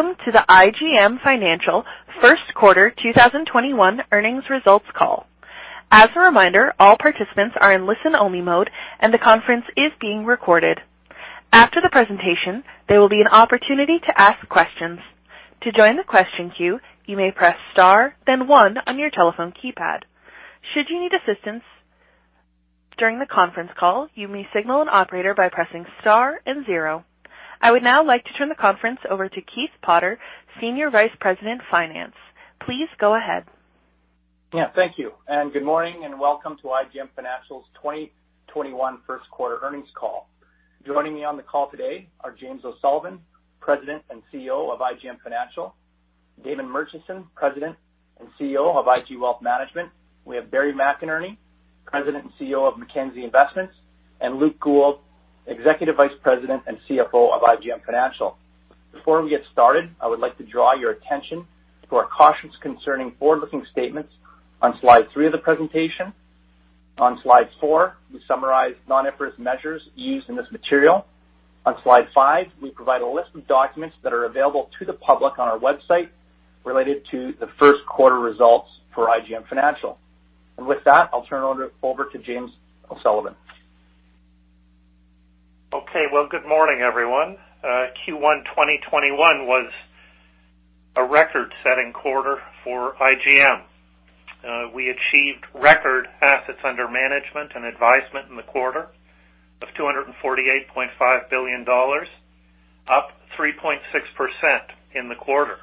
Welcome to the IGM Financial First Quarter 2021 Earnings Results Call. As a reminder, all participants are in listen-only mode, and the conference is being recorded. After the presentation, there will be an opportunity to ask questions. To join the question queue, you may press star then one on your telephone keypad. Should you need assistance during the conference call, you may signal an operator by pressing Star and zero. I would now like to turn the conference over to Keith Potter, Senior Vice President, Finance. Please go ahead. Yeah, thank you. And good morning, and welcome to IGM Financial's 2021 first quarter earnings call. Joining me on the call today are James O'Sullivan, President and CEO of IGM Financial, Damon Murchison, President and CEO of IG Wealth Management. We have Barry McInerney, President and CEO of Mackenzie Investments, and Luke Gould, Executive Vice President and CFO of IGM Financial. Before we get started, I would like to draw your attention to our cautions concerning forward-looking statements on slide 3 of the presentation. On slide 4, we summarize non-IFRS measures used in this material. On slide 5, we provide a list of documents that are available to the public on our website related to the first quarter results for IGM Financial. And with that, I'll turn it over to James O'Sullivan. Okay. Well, good morning, everyone. Q1 2021 was a record-setting quarter for IGM. We achieved record assets under management and advisement in the quarter of 248.5 billion dollars, up 3.6% in the quarter.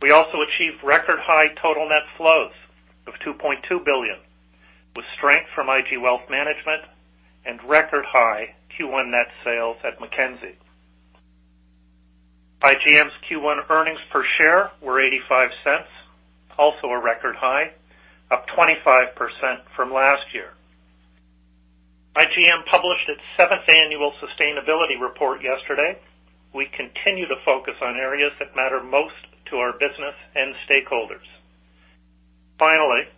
We also achieved record-high total net flows of 2.2 billion, with strength from IG Wealth Management and record-high Q1 net sales at Mackenzie. IGM's Q1 earnings per share were 0.85, also a record high, up 25% from last year. IGM published its seventh annual sustainability report yesterday. We continue to focus on areas that matter most to our business and stakeholders. Finally,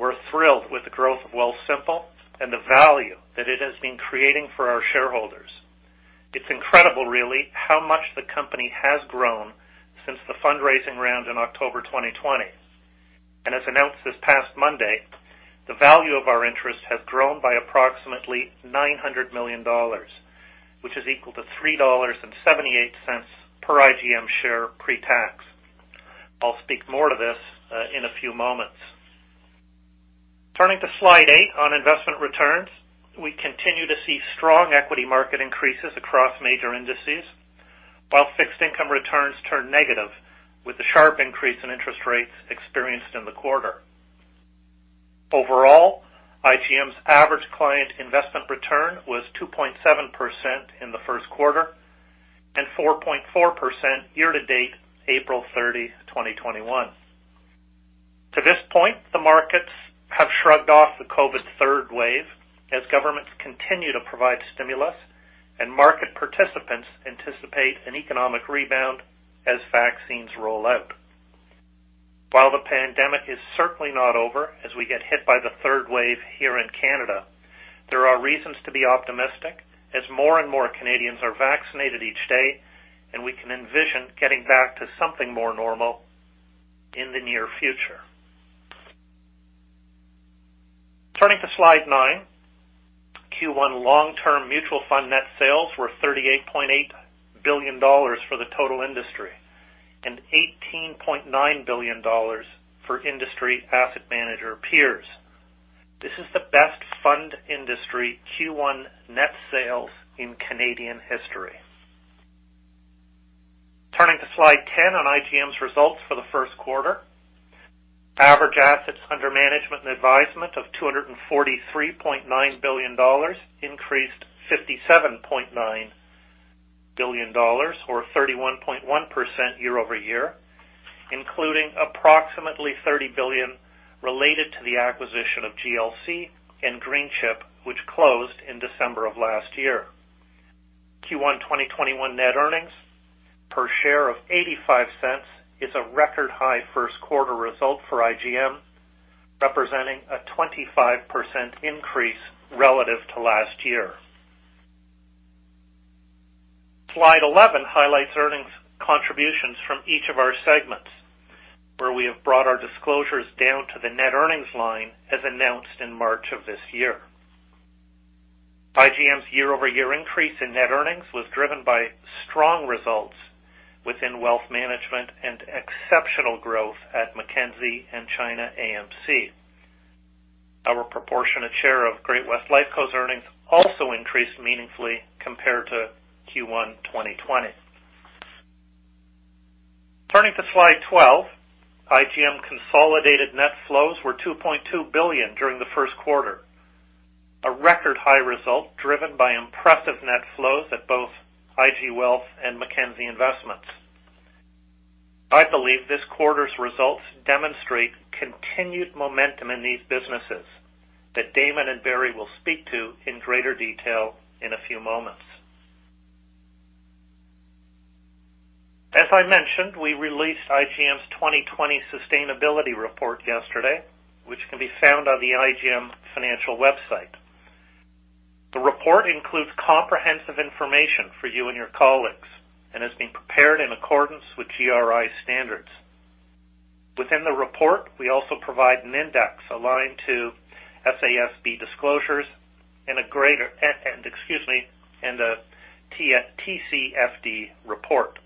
we're thrilled with the growth of Wealthsimple and the value that it has been creating for our shareholders. It's incredible, really, how much the company has grown since the fundraising round in October 2020. As announced this past Monday, the value of our interest has grown by approximately 900 million dollars, which is equal to 3.78 dollars per IGM share pre-tax. I'll speak more to this in a few moments. Turning to slide 8 on investment returns, we continue to see strong equity market increases across major indices, while fixed income returns turn negative with the sharp increase in interest rates experienced in the quarter. Overall, IGM's average client investment return was 2.7% in the first quarter, and 4.4% year to date, April 30, 2021. To this point, the markets have shrugged off the COVID third wave as governments continue to provide stimulus, and market participants anticipate an economic rebound as vaccines roll out. While the pandemic is certainly not over as we get hit by the third wave here in Canada, there are reasons to be optimistic as more and more Canadians are vaccinated each day, and we can envision getting back to something more normal in the near future. Turning to slide nine, Q1 long-term mutual fund net sales were 38.8 billion dollars for the total industry, and 18.9 billion dollars for industry asset manager peers. This is the best fund industry Q1 net sales in Canadian history. Turning to slide ten on IGM's results for the first quarter. Average assets under management and advisement of 243.9 billion dollars increased 57.9 billion dollars, or 31.1% year-over-year, including approximately 30 billion related to the acquisition of GLC and Greenchip, which closed in December of last year. Q1 2021 net earnings per share of 0.85 is a record-high first quarter result for IGM, representing a 25% increase relative to last year. Slide 11 highlights earnings contributions from each of our segments, where we have brought our disclosures down to the net earnings line, as announced in March of this year. IGM's year-over-year increase in net earnings was driven by strong results within wealth management and exceptional growth at Mackenzie and ChinaAMC. Our proportionate share of Great-West Lifeco's earnings also increased meaningfully compared to Q1 2020. Turning to Slide 12, IGM consolidated net flows were 2.2 billion during the first quarter, a record-high result driven by impressive net flows at both IG Wealth and Mackenzie Investments. I believe this quarter's results demonstrate continued momentum in these businesses that Damon and Barry will speak to in greater detail in a few moments. As I mentioned, we released IGM's 2020 sustainability report yesterday, which can be found on the IGM Financial website. The report includes comprehensive information for you and your colleagues, and has been prepared in accordance with GRI standards. Within the report, we also provide an index aligned to SASB disclosures and a TCFD report.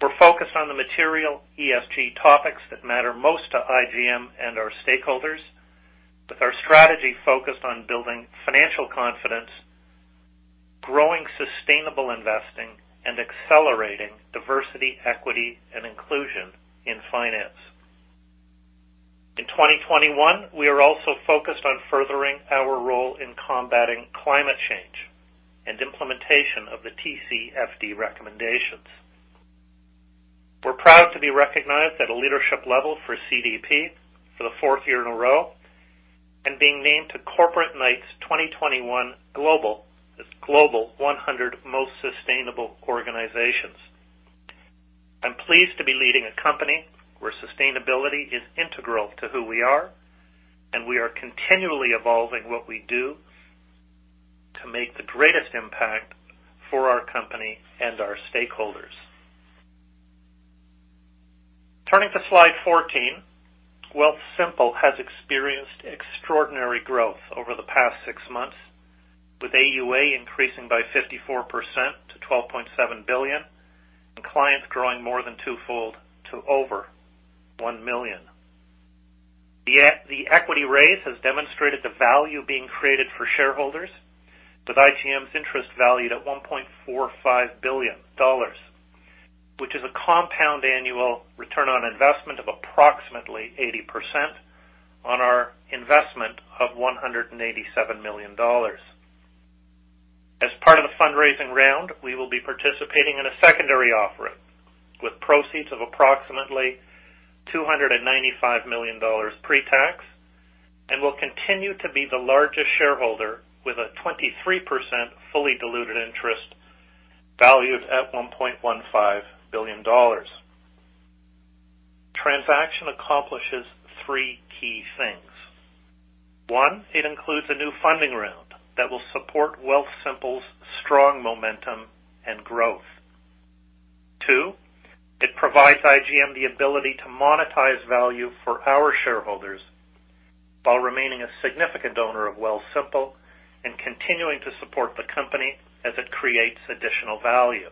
We're focused on the material ESG topics that matter most to IGM and our stakeholders, with our strategy focused on building financial confidence, growing sustainable investing, and accelerating diversity, equity, and inclusion in finance. In 2021, we are also focused on furthering our role in combating climate change and implementation of the TCFD recommendations. We're proud to be recognized at a leadership level for CDP for the 4th year in a row, and being named to Corporate Knights 2021 Global 100 Most Sustainable Organizations. I'm pleased to be leading a company where sustainability is integral to who we are, and we are continually evolving what we do to make the greatest impact for our company and our stakeholders. Turning to slide 14, Wealthsimple has experienced extraordinary growth over the past six months, with AUA increasing by 54% to 12.7 billion, and clients growing more than twofold to over 1 million. The equity raise has demonstrated the value being created for shareholders, with IGM's interest valued at 1.45 billion dollars, which is a compound annual return on investment of approximately 80% on our investment of 187 million dollars. As part of the fundraising round, we will be participating in a secondary offering, with proceeds of approximately 295 million dollars pre-tax, and will continue to be the largest shareholder with a 23% fully diluted interest, valued at CAD 1.15 billion. The transaction accomplishes three key things: One, it includes a new funding round that will support Wealthsimple's strong momentum and growth. Two, it provides IGM the ability to monetize value for our shareholders while remaining a significant owner of Wealthsimple and continuing to support the company as it creates additional value.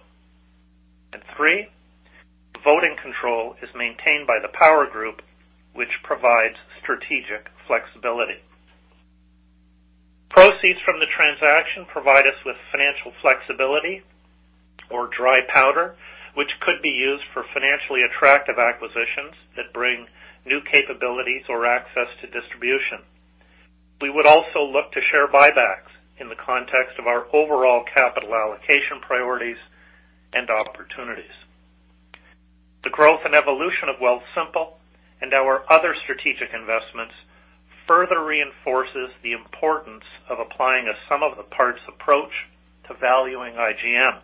And three, the voting control is maintained by the Power Group, which provides strategic flexibility. Proceeds from the transaction provide us with financial flexibility or dry powder, which could be used for financially attractive acquisitions that bring new capabilities or access to distribution. We would also look to share buybacks in the context of our overall capital allocation priorities and opportunities. The growth and evolution of Wealthsimple and our other strategic investments further reinforces the importance of applying a sum of the parts approach to valuing IGM.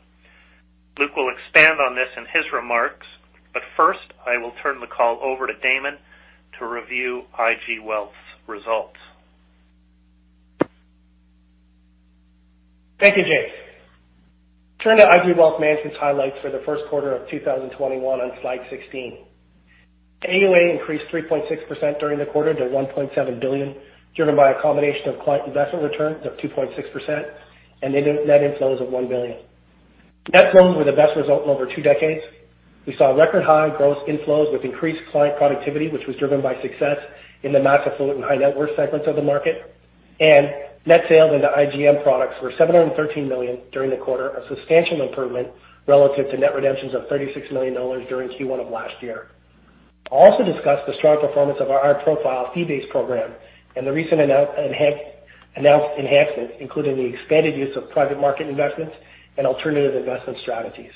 Luke will expand on this in his remarks, but first, I will turn the call over to Damon to review IG Wealth's results. Thank you, James. Turn to IG Wealth Management's highlights for the first quarter of 2021 on slide 16. AUA increased 3.6% during the quarter to 1.7 billion, driven by a combination of client investment returns of 2.6% and net inflows of 1 billion. Net flows were the best result in over two decades. We saw record high gross inflows with increased client productivity, which was driven by success in the mass affluent and high net worth segments of the market. And net sales into IGM products were 713 million during the quarter, a substantial improvement relative to net redemptions of 36 million dollars during Q1 of last year. I'll also discuss the strong performance of our profile fee-based program and the recent announced enhancements, including the expanded use of private market investments and alternative investment strategies.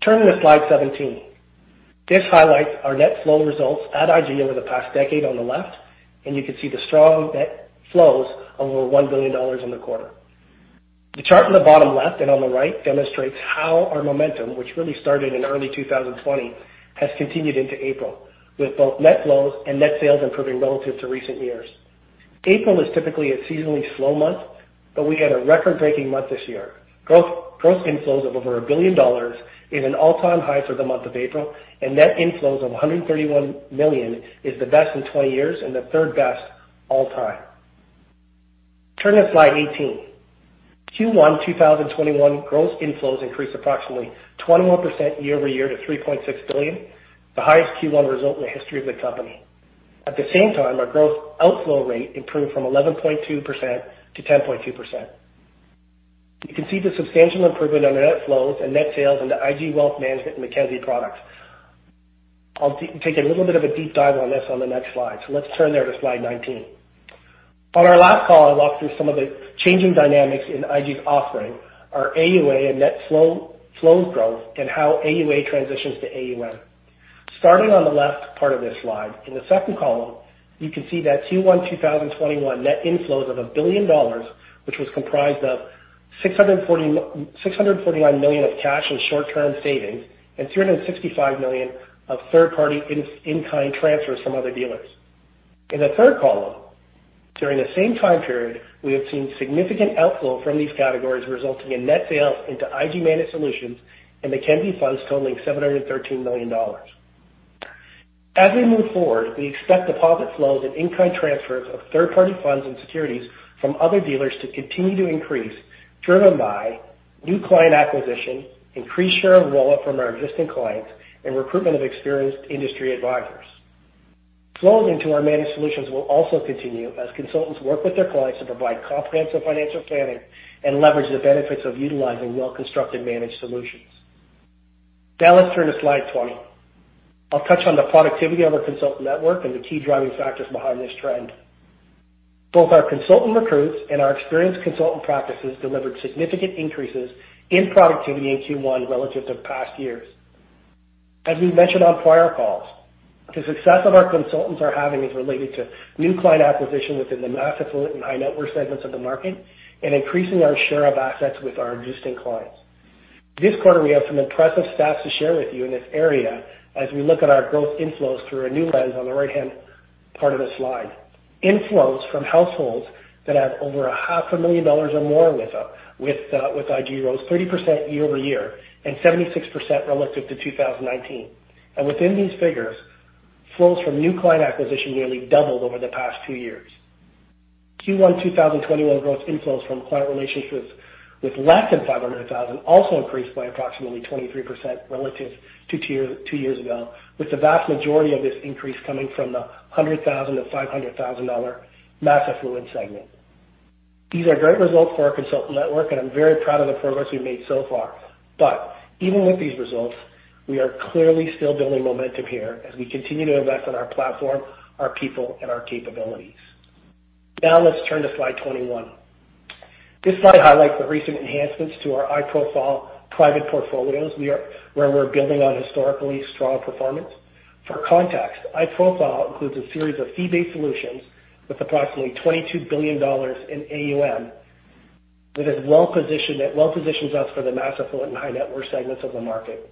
Turning to slide 17. This highlights our net flow results at IG over the past decade on the left, and you can see the strong net flows over 1 billion dollars in the quarter. The chart on the bottom left and on the right demonstrates how our momentum, which really started in early 2020, has continued into April, with both net flows and net sales improving relative to recent years. April is typically a seasonally slow month, but we had a record-breaking month this year. Growth, gross inflows of over 1 billion dollars is an all-time high for the month of April, and net inflows of 131 million is the best in 20 years and the third best all time. Turning to slide 18. Q1 2021 gross inflows increased approximately 21% year-over-year to 3.6 billion, the highest Q1 result in the history of the company. At the same time, our gross outflow rate improved from 11.2% to 10.2%. You can see the substantial improvement on net flows and net sales in the IG Wealth Management Mackenzie products. I'll take a little bit of a deep dive on this on the next slide. So let's turn there to slide 19. On our last call, I walked through some of the changing dynamics in IG's offering, our AUA and net flow, flows growth, and how AUA transitions to AUM. Starting on the left part of this slide, in the second column, you can see that Q1 2021 net inflows of 1 billion dollars, which was comprised of 649 million of cash and short-term savings, and 365 million of third party in-kind transfers from other dealers. In the third column, during the same time period, we have seen significant outflow from these categories, resulting in net sales into IG managed solutions and Mackenzie Funds totaling 713 million dollars. As we move forward, we expect deposit flows and in-kind transfers of third party funds and securities from other dealers to continue to increase, driven by new client acquisition, increased share of wallet from our existing clients, and recruitment of experienced industry advisors. Flow into our managed solutions will also continue as consultants work with their clients to provide comprehensive financial planning and leverage the benefits of utilizing well-constructed managed solutions. Now let's turn to slide 20. I'll touch on the productivity of our consultant network and the key driving factors behind this trend. Both our consultant recruits and our experienced consultant practices delivered significant increases in productivity in Q1 relative to past years. As we mentioned on prior calls, the success of our consultants are having is related to new client acquisition within the mass affluent and high net worth segments of the market, and increasing our share of assets with our existing clients. This quarter, we have some impressive stats to share with you in this area as we look at our growth inflows through our new lens on the right-hand part of the slide. Inflows from households that have over 500,000 dollars or more with IG rose 30% year-over-year and 76% relative to 2019. And within these figures, flows from new client acquisition nearly doubled over the past two years. Q1 2021 gross inflows from client relationships with less than 500,000 also increased by approximately 23% relative to two years ago, with the vast majority of this increase coming from the 100,000-500 ,000 mass affluent segment. These are great results for our consultant network, and I'm very proud of the progress we've made so far. But even with these results, we are clearly still building momentum here as we continue to invest in our platform, our people, and our capabilities. Now let's turn to slide 21. This slide highlights the recent enhancements to our iProfile private portfolios. Where we're building on historically strong performance. For context, iProfile includes a series of fee-based solutions with approximately 22 billion dollars in AUM that is well positioned... that well positions us for the mass affluent and high net worth segments of the market.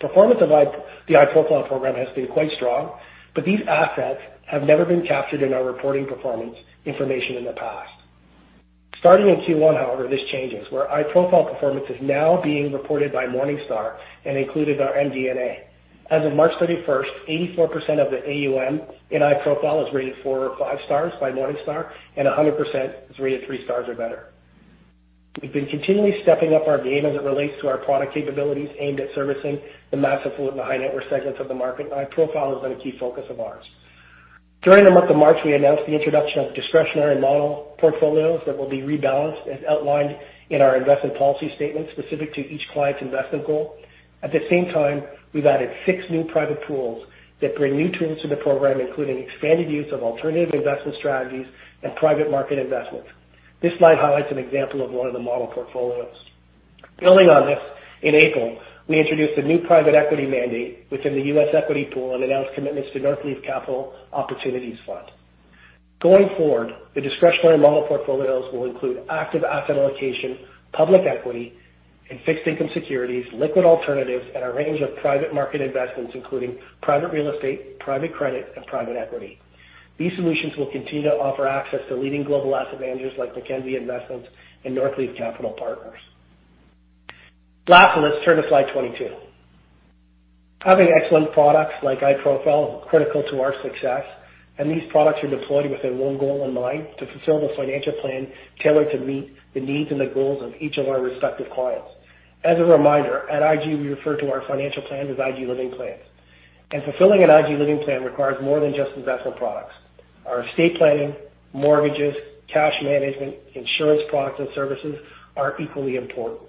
Performance of the iProfile program has been quite strong, but these assets have never been captured in our reporting performance information in the past. Starting in Q1, however, this changes, where iProfile performance is now being reported by Morningstar and included our MD&A. As of March 31st, 84% of the AUM in iProfile is rated 4 or 5 stars by Morningstar, and 100% is rated 3 stars or better. We've been continually stepping up our game as it relates to our product capabilities aimed at servicing the mass affluent and the high net worth segments of the market, and iProfile has been a key focus of ours. During the month of March, we announced the introduction of discretionary model portfolios that will be rebalanced as outlined in our investment policy statement, specific to each client's investment goal. At the same time, we've added 6 new private pools that bring new tools to the program, including expanded use of alternative investment strategies and private market investments. This slide highlights an example of one of the model portfolios. Building on this, in April, we introduced a new private equity mandate within the U.S. equity pool and announced commitments to Northleaf Capital Opportunities Fund. Going forward, the discretionary model portfolios will include active asset allocation, public equity and fixed income securities, liquid alternatives, and a range of private market investments, including private real estate, private credit, and private equity. These solutions will continue to offer access to leading global asset managers, like Mackenzie Investments and Northleaf Capital Partners. Lastly, let's turn to slide 22. Having excellent products like iProfile is critical to our success, and these products are deployed with one goal in mind, to fulfill the financial plan tailored to meet the needs and the goals of each of our respective clients. As a reminder, at IG, we refer to our financial plans as IG Living Plans, and fulfilling an IG Living Plan requires more than just investment products. Our estate planning, mortgages, cash management, insurance products, and services are equally important.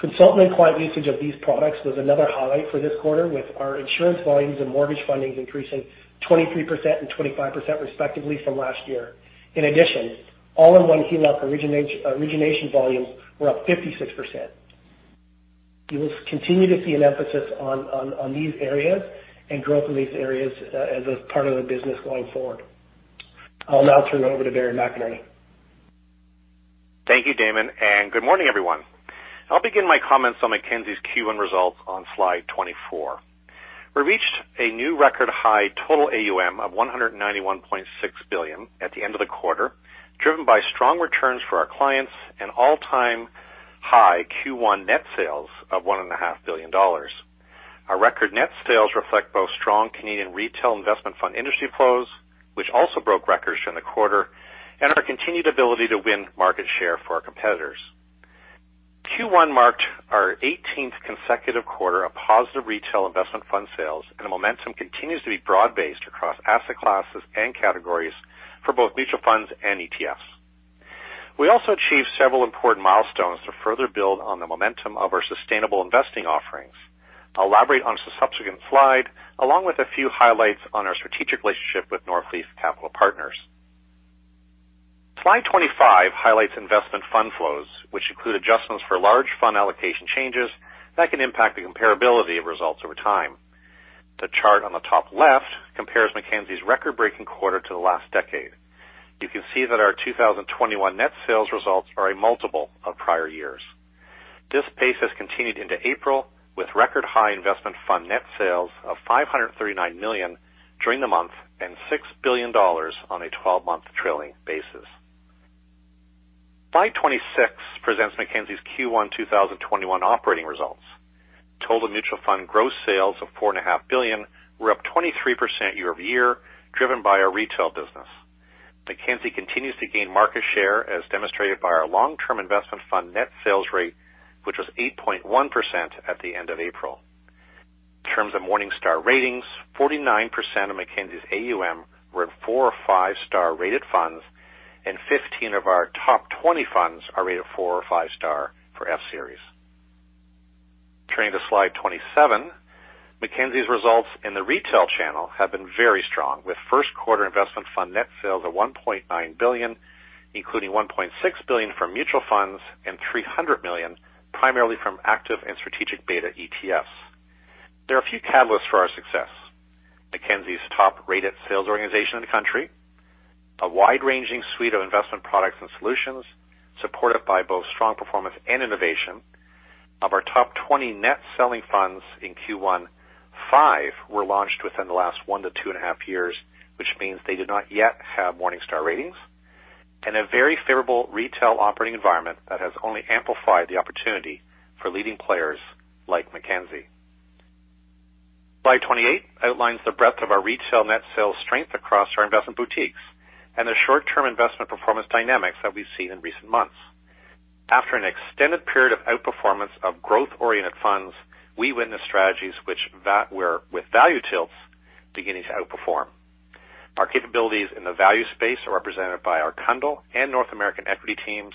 Consultant and client usage of these products was another highlight for this quarter, with our insurance volumes and mortgage fundings increasing 23% and 25%, respectively, from last year. In addition, all-in-one HELOC origination volumes were up 56%. You will continue to see an emphasis on these areas and growth in these areas, as a part of the business going forward. I'll now turn it over to Barry McInerney. Thank you, Damon, and good morning, everyone. I'll begin my comments on Mackenzie's Q1 results on slide 24. We reached a new record high total AUM of 191.6 billion at the end of the quarter, driven by strong returns for our clients and all-time high Q1 net sales of 1.5 billion dollars. Our record net sales reflect both strong Canadian retail investment fund industry flows, which also broke records in the quarter, and our continued ability to win market share from our competitors. Q1 marked our eighteenth consecutive quarter of positive retail investment fund sales, and the momentum continues to be broad-based across asset classes and categories for both mutual funds and ETFs. We also achieved several important milestones to further build on the momentum of our sustainable investing offerings. I'll elaborate on the subsequent slide, along with a few highlights on our strategic relationship with Northleaf Capital Partners. Slide 25 highlights investment fund flows, which include adjustments for large fund allocation changes that can impact the comparability of results over time. The chart on the top left compares Mackenzie's record-breaking quarter to the last decade. You can see that our 2021 net sales results are a multiple of prior years. This pace has continued into April, with record high investment fund net sales of CAD 539 million during the month and CAD 6 billion on a twelve-month trailing basis. Slide 26 presents Mackenzie's Q1 2021 operating results. Total mutual fund gross sales of 4.5 billion were up 23% year-over-year, driven by our retail business. Mackenzie continues to gain market share, as demonstrated by our long-term investment fund net sales rate, which was 8.1% at the end of April. In terms of Morningstar ratings, 49% of Mackenzie's AUM were in 4- or 5-star rated funds, and 15 of our top 20 funds are rated 4- or 5-star for F series. Turning to slide 27, Mackenzie's results in the retail channel have been very strong, with first quarter investment fund net sales of CAD 1.9 billion, including CAD 1.6 billion from mutual funds and CAD 300 million, primarily from active and strategic beta ETFs. There are a few catalysts for our success. Mackenzie's top-rated sales organization in the country, a wide-ranging suite of investment products and solutions, supported by both strong performance and innovation. Of our top 20 net selling funds in Q1, five were launched within the last 1-2.5 years, which means they did not yet have Morningstar ratings, and a very favorable retail operating environment that has only amplified the opportunity for leading players like Mackenzie. Slide 28 outlines the breadth of our retail net sales strength across our investment boutiques and the short-term investment performance dynamics that we've seen in recent months. After an extended period of outperformance of growth-oriented funds, we witnessed strategies which were, with value tilts, beginning to outperform. Our capabilities in the value space are represented by our Cundill and North American equity teams.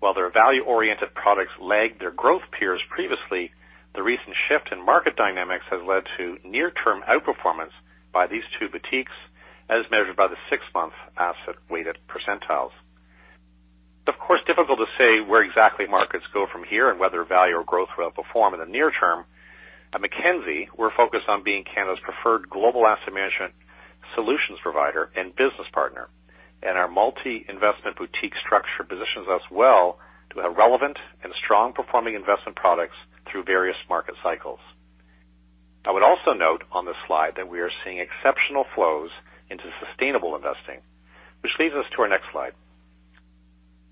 While their value-oriented products lagged their growth peers previously, the recent shift in market dynamics has led to near-term outperformance by these two boutiques, as measured by the 6-month asset-weighted percentiles. It's, of course, difficult to say where exactly markets go from here and whether value or growth will outperform in the near term. At Mackenzie, we're focused on being Canada's preferred global asset management solutions provider and business partner, and our multi-investment boutique structure positions us well to have relevant and strong performing investment products through various market cycles. I would also note on this slide that we are seeing exceptional flows into sustainable investing, which leads us to our next slide.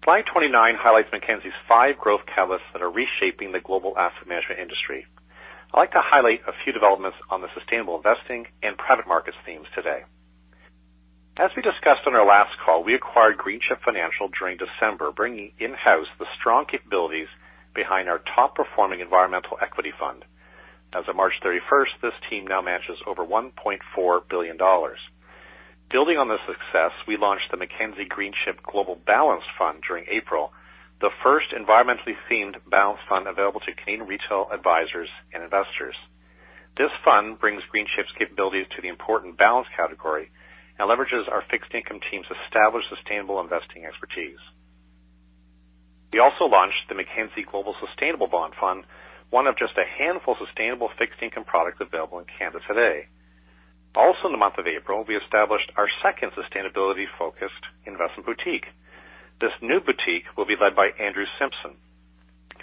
Slide 29 highlights Mackenzie's five growth catalysts that are reshaping the global asset management industry. I'd like to highlight a few developments on the sustainable investing and private markets themes today. As we discussed on our last call, we acquired Greenchip Financial during December, bringing in-house the strong capabilities behind our top-performing environmental equity fund. As of March 31st, this team now manages over 1.4 billion dollars. Building on this success, we launched the Mackenzie Greenchip Global Balanced Fund during April, the first environmentally themed balanced fund available to Canadian retail advisors and investors. This fund brings Greenchip's capabilities to the important balanced category and leverages our fixed income team's established, sustainable investing expertise. We also launched the Mackenzie Global Sustainable Bond Fund, one of just a handful of sustainable fixed income products available in Canada today. Also, in the month of April, we established our second sustainability-focused investment boutique. This new boutique will be led by Andrew Simpson,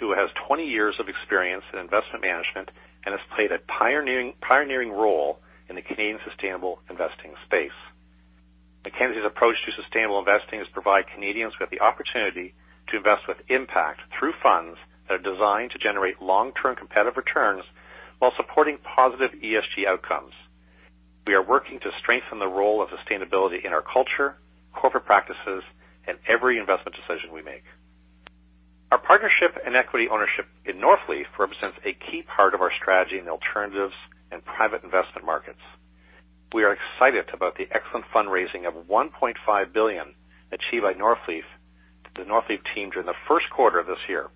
who has 20 years of experience in investment management and has played a pioneering role in the Canadian sustainable investing space. Mackenzie's approach to sustainable investing is provide Canadians with the opportunity to invest with impact through funds that are designed to generate long-term competitive returns while supporting positive ESG outcomes. We are working to strengthen the role of sustainability in our culture, corporate practices, and every investment decision we make. Our partnership and equity ownership in Northleaf represents a key part of our strategy in the alternatives and private investment markets. We are excited about the excellent fundraising of 1.5 billion achieved by Northleaf, the Northleaf team, during the first quarter of this year.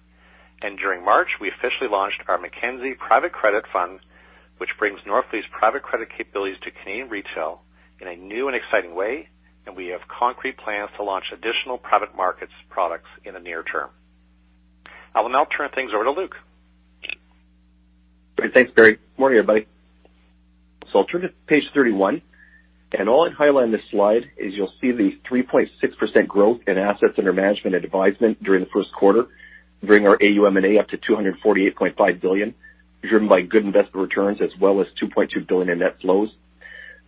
During March, we officially launched our Mackenzie Private Credit Fund, which brings Northleaf's private credit capabilities to Canadian retail in a new and exciting way, and we have concrete plans to launch additional private markets products in the near term. I will now turn things over to Luke. Great. Thanks, Barry. Morning, everybody. So I'll turn to page 31, and all I'd highlight on this slide is you'll see the 3.6% growth in assets under management and advisement during the first quarter, bringing our AUM and A up to CAD 248.5 billion, driven by good investment returns, as well as CAD 2.2 billion in net flows.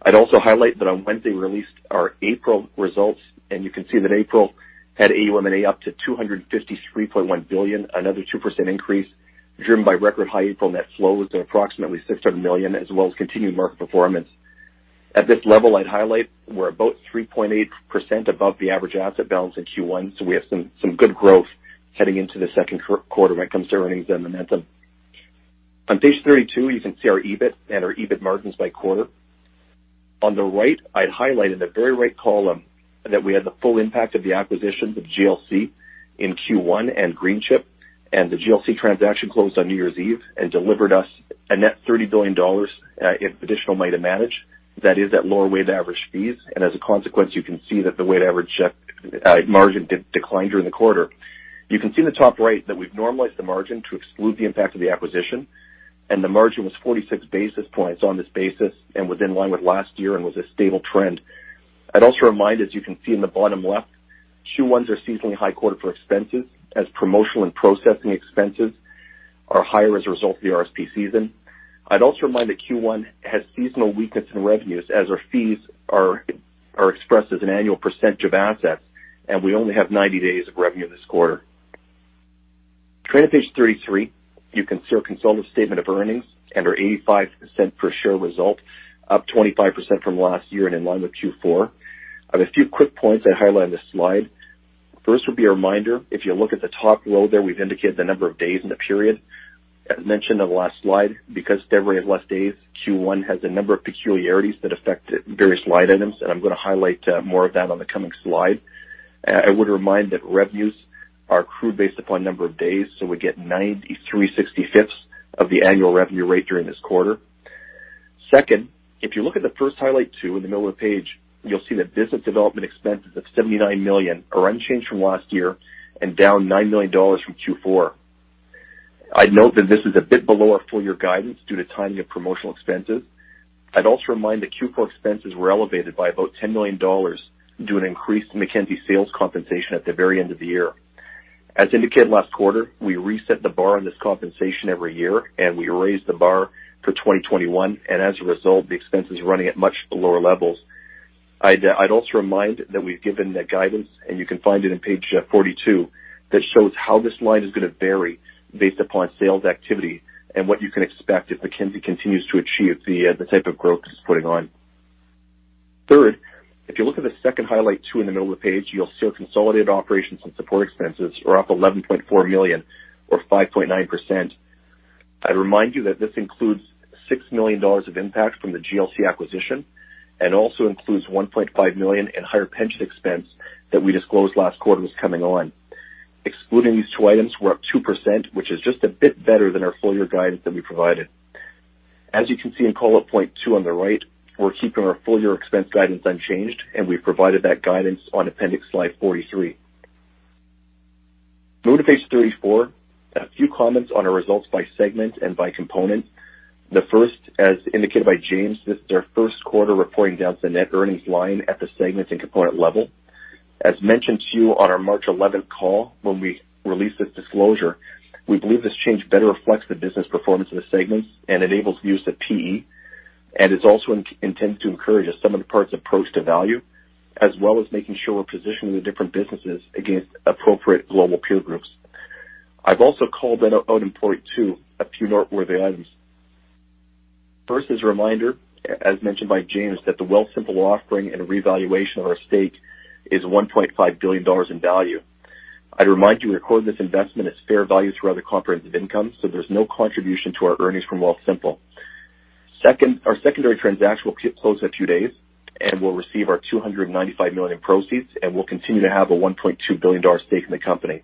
I'd also highlight that on Wednesday, we released our April results, and you can see that April had AUM and A up to 253.1 billion, another 2% increase, driven by record high April net flows of approximately 600 million, as well as continued market performance. At this level, I'd highlight we're about 3.8% above the average asset balance in Q1, so we have some good growth heading into the second quarter when it comes to earnings and momentum. On page 32, you can see our EBIT and our EBIT margins by quarter. On the right, I'd highlight in the very right column, that we had the full impact of the acquisitions of GLC in Q1 and Greenchip, and the GLC transaction closed on New Year's Eve and delivered us a net 30 billion dollars in additional money to manage. That is at lower weighted average fees, and as a consequence, you can see that the weighted average margin declined during the quarter. You can see in the top right that we've normalized the margin to exclude the impact of the acquisition, and the margin was 46 basis points on this basis and was in line with last year and was a stable trend. I'd also remind, as you can see in the bottom left, Q1s are seasonally high quarter for expenses, as promotional and processing expenses are higher as a result of the RSP season. I'd also remind that Q1 has seasonal weakness in revenues as our fees are expressed as an annual percentage of assets, and we only have 90 days of revenue this quarter. Turning to page 33. You can see our consolidated statement of earnings and our 0.85 per share result, up 25% from last year and in line with Q4. I have a few quick points I highlight on this slide. First, would be a reminder. If you look at the top row there, we've indicated the number of days in the period. As mentioned on the last slide, because February had less days, Q1 has a number of peculiarities that affect various line items, and I'm gonna highlight more of that on the coming slide. I would remind that revenues are accrued based upon number of days, so we get 93/65 of the annual revenue rate during this quarter. Second, if you look at the first highlight two in the middle of the page, you'll see that business development expenses of 79 million are unchanged from last year and down 9 million dollars from Q4. I'd note that this is a bit below our full year guidance due to timing of promotional expenses. I'd also remind that Q4 expenses were elevated by about 10 million dollars due to an increased Mackenzie sales compensation at the very end of the year. As indicated last quarter, we reset the bar on this compensation every year, and we raised the bar for 2021, and as a result, the expense is running at much lower levels. I'd also remind that we've given the guidance, and you can find it in page 42, that shows how this line is gonna vary based upon sales activity and what you can expect if Mackenzie continues to achieve the type of growth it's putting on. Third, if you look at the second highlight two in the middle of the page, you'll see our consolidated operations and support expenses are up 11.4 million or 5.9%. I'd remind you that this includes 6 million dollars of impact from the GLC acquisition and also includes 1.5 million in higher pension expense that we disclosed last quarter was coming on. Excluding these two items, we're up 2%, which is just a bit better than our full year guidance that we provided. As you can see in call out point 2 on the right, we're keeping our full year expense guidance unchanged, and we've provided that guidance on appendix slide 43. Moving to page 34. A few comments on our results by segment and by component. The first, as indicated by James, this is our first quarter reporting down to net earnings line at the segment and component level. As mentioned to you on our March eleventh call, when we released this disclosure, we believe this change better reflects the business performance of the segments and enables the use of PE, and it's also intended to encourage a sum of the parts approach to value, as well as making sure we're positioning the different businesses against appropriate global peer groups. I've also called out in point two, a few noteworthy items. First, as a reminder, as mentioned by James, that the Wealthsimple offering and revaluation of our stake is 1.5 billion dollars in value. I'd remind you, we recorded this investment as fair value through other comprehensive income, so there's no contribution to our earnings from Wealthsimple. Second, our secondary transaction will close in a few days, and we'll receive 295 million in proceeds, and we'll continue to have a $1.2 billion stake in the company.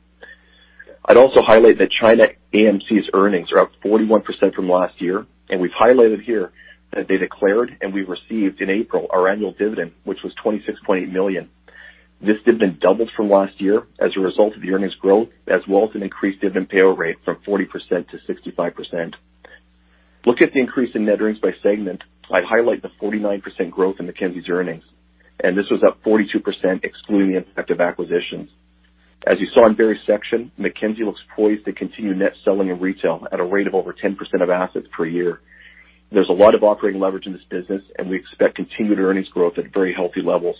I'd also highlight that ChinaAMC's earnings are up 41% from last year, and we've highlighted here that they declared and we received in April, our annual dividend, which was 26.8 million. This dividend doubled from last year as a result of the earnings growth, as well as an increased dividend payout rate from 40%-65%. Look at the increase in net earnings by segment. I'd highlight the 49% growth in Mackenzie's earnings, and this was up 42%, excluding the impact of acquisitions. As you saw in Barry's section, Mackenzie looks poised to continue net selling in retail at a rate of over 10% of assets per year. There's a lot of operating leverage in this business, and we expect continued earnings growth at very healthy levels.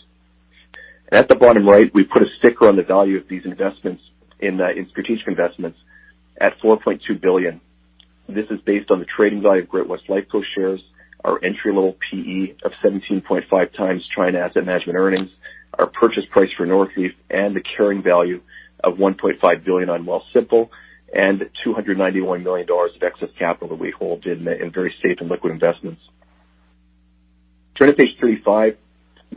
At the bottom right, we put a sticker on the value of these investments in strategic investments at 4.2 billion. This is based on the trading value of Great-West Lifeco shares, our entry-level PE of 17.5x China Asset Management earnings, our purchase price for Northleaf, and the carrying value of 1.5 billion on Wealthsimple, and 291 million dollars of excess capital that we hold in very safe and liquid investments. Turning to page 35.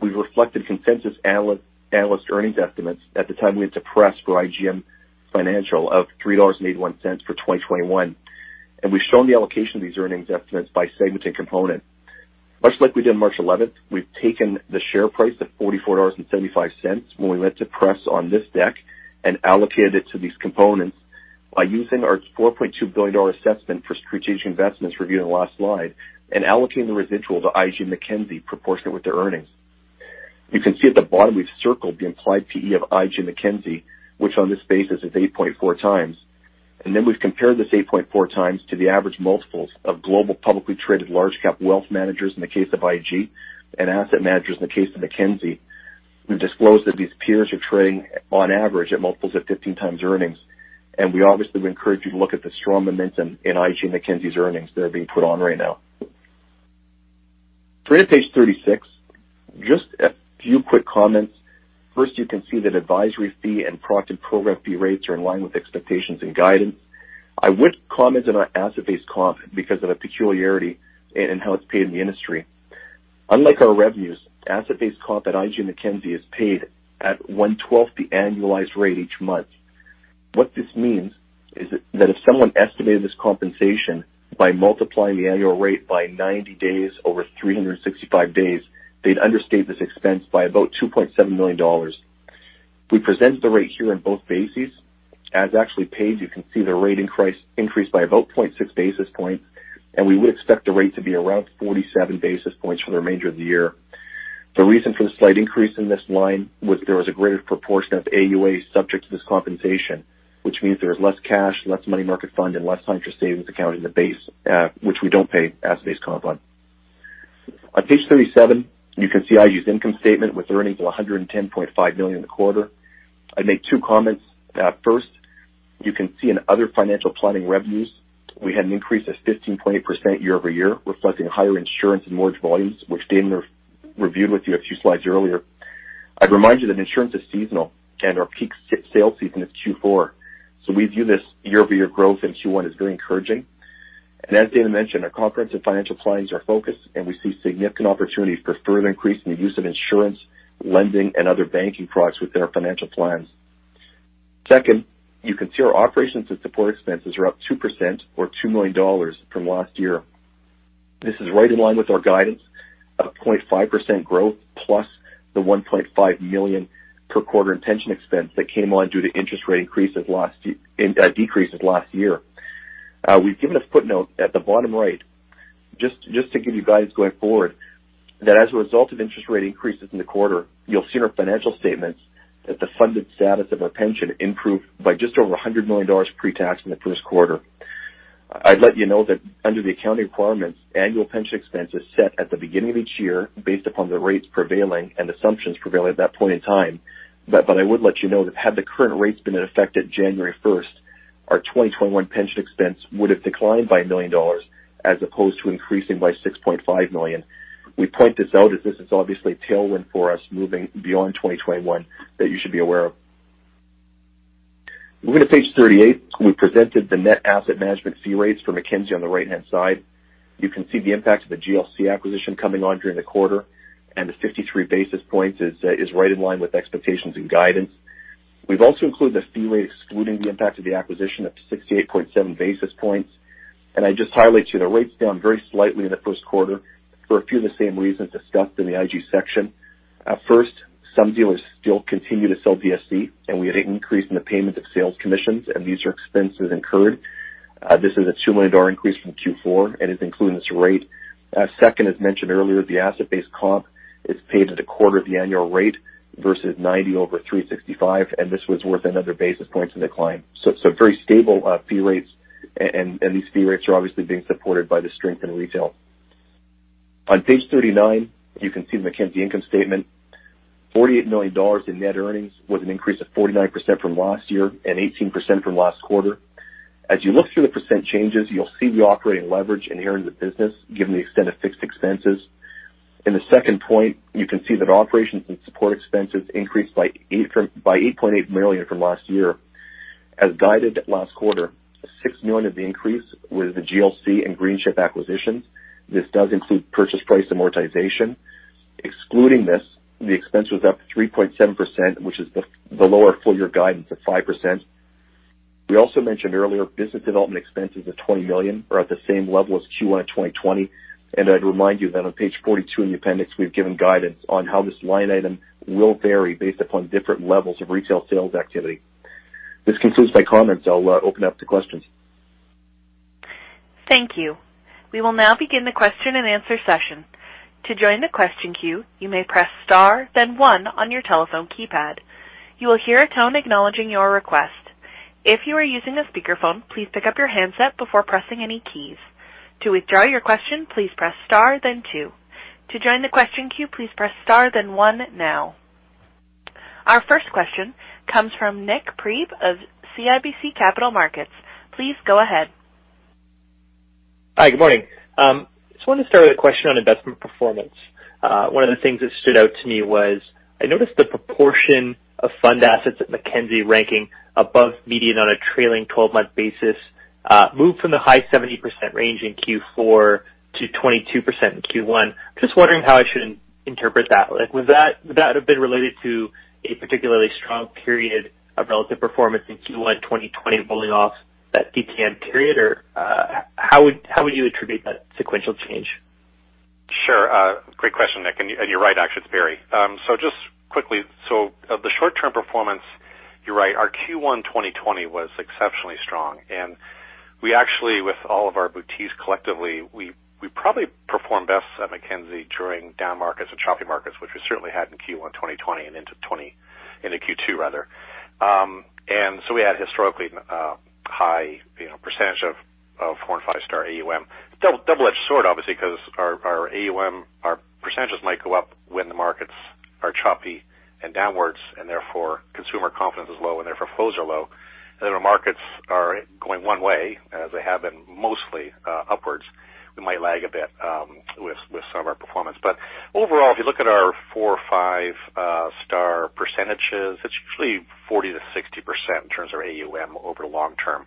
We've reflected consensus analyst, analyst earnings estimates at the time we went to press for IGM Financial of 3.81 dollars for 2021. We've shown the allocation of these earnings estimates by segment and component. Much like we did on March eleventh, we've taken the share price of 44.75 dollars when we went to press on this deck and allocated it to these components by using our 4.2 billion dollar assessment for strategic investments reviewed in the last slide, and allocating the residual to IG Mackenzie proportionate with their earnings. You can see at the bottom, we've circled the implied PE of IG Mackenzie, which on this basis is 8.4 times. And then we've compared this 8.4x to the average multiples of global publicly traded large cap wealth managers in the case of IG, and asset managers in the case of Mackenzie. We've disclosed that these peers are trading on average at multiples of 15x earnings, and we obviously would encourage you to look at the strong momentum in IG Mackenzie's earnings that are being put on right now. Turning to page 36. Just a few quick comments. First, you can see that advisory fee and product and program fee rates are in line with expectations and guidance. I would comment on our asset-based comp because of a peculiarity in how it's paid in the industry. Unlike our revenues, asset-based comp at IG Mackenzie is paid at 1/12 the annualized rate each month. What this means-... is that if someone estimated this compensation by multiplying the annual rate by 90 days over 365 days, they'd understate this expense by about 2.7 million dollars. We presented the rate here in both bases. As actually paid, you can see the rate increase, increased by about 0.6 basis points, and we would expect the rate to be around 47 basis points for the remainder of the year. The reason for the slight increase in this line was there was a greater proportion of AUA subject to this compensation, which means there was less cash, less money market fund, and less interest savings account in the base, which we don't pay asset-based comp on. On page 37, you can see IG's income statement with earnings of 110.5 million in the quarter. I'd make two comments. First, you can see in other financial planning revenues, we had an increase of 15.8% year-over-year, reflecting higher insurance and mortgage volumes, which Damon reviewed with you a few slides earlier. I'd remind you that insurance is seasonal and our peak sales season is Q4. So we view this year-over-year growth in Q1 as very encouraging. And as Damon mentioned, our comprehensive financial plans are focused, and we see significant opportunities for further increase in the use of insurance, lending, and other banking products within our financial plans. Second, you can see our operations and support expenses are up 2% or 2 million dollars from last year. This is right in line with our guidance of 0.5% growth, plus the 1.5 million per quarter interest expense that came on due to interest rate increases last year. We've given a footnote at the bottom right, just to give you guidance going forward, that as a result of interest rate increases in the quarter, you'll see in our financial statements that the funded status of our pension improved by just over 100 million dollars pre-tax in the first quarter. I'd let you know that under the accounting requirements, annual pension expense is set at the beginning of each year based upon the rates prevailing and assumptions prevailing at that point in time. But I would let you know that had the current rates been in effect at January first, our 2021 pension expense would have declined by 1 million dollars as opposed to increasing by 6.5 million. We point this out as this is obviously a tailwind for us moving beyond 2021, that you should be aware of. Moving to page 38, we presented the net asset management fee rates for Mackenzie on the right-hand side. You can see the impact of the GLC acquisition coming on during the quarter, and the 53 basis points is right in line with expectations and guidance. We've also included the fee rate, excluding the impact of the acquisition of 68.7 basis points. And I'd just highlight to you, the rate's down very slightly in the first quarter for a few of the same reasons discussed in the IG section. First, some dealers still continue to sell DSC, and we had an increase in the payment of sales commissions, and these are expenses incurred. This is a 2 million dollar increase from Q4 and is included in this rate. Second, as mentioned earlier, the asset-based comp is paid at a quarter of the annual rate versus 90/365, and this was worth another basis point in decline. So very stable, fee rates, and these fee rates are obviously being supported by the strength in retail. On page 39, you can see the Mackenzie income statement. 48 million dollars in net earnings was an increase of 49% from last year and 18% from last quarter. As you look through the percent changes, you'll see the operating leverage inherent in the business, given the extent of fixed expenses. In the second point, you can see that operations and support expenses increased by 8.8 million from last year. As guided last quarter, 6 million of the increase was the GLC and Greenchip acquisitions. This does include purchase price amortization. Excluding this, the expense was up 3.7%, which is the lower full year guidance of 5%. We also mentioned earlier, business development expenses of 20 million are at the same level as Q1 in 2020, and I'd remind you that on page 42 in the appendix, we've given guidance on how this line item will vary based upon different levels of retail sales activity. This concludes my comments. I'll open up to questions. Thank you. We will now begin the question and answer session. To join the question queue, you may press star, then one on your telephone keypad. You will hear a tone acknowledging your request. If you are using a speakerphone, please pick up your handset before pressing any keys. To withdraw your question, please press star then two. To join the question queue, please press star then one now. Our first question comes from Nick Priebe of CIBC Capital Markets. Please go ahead. Hi, good morning. Just wanted to start with a question on investment performance. One of the things that stood out to me was I noticed the proportion of fund assets at Mackenzie ranking above median on a trailing twelve-month basis, moved from the high 70% range in Q4 to 22% in Q1. Just wondering how I should interpret that? Like, would that, would that have been related to a particularly strong period of relative performance in Q1 2020, rolling off that TTM period? Or, how would, how would you attribute that sequential change? Sure. Great question, Nick, and you're right, actually, it's Barry. So just quickly, so, the short-term performance, you're right, our Q1 2020 was exceptionally strong, and we actually, with all of our boutiques collectively, we, we probably performed best at Mackenzie during down markets and choppy markets, which we certainly had in Q1 2020 and into 2020 Q2 rather. And so we had historically, high, you know, percentage of, of and five star AUM. Double, double-edged sword, obviously, because our, our AUM, our percentages might go up when the markets are choppy and downwards, and therefore consumer confidence is low and therefore flows are low. And our markets are going one way, as they have been mostly, upwards. We might lag a bit, with, with some of our performance. But overall, if you look at our 4 or 5 star percentages, it's usually 40%-60% in terms of our AUM over the long term.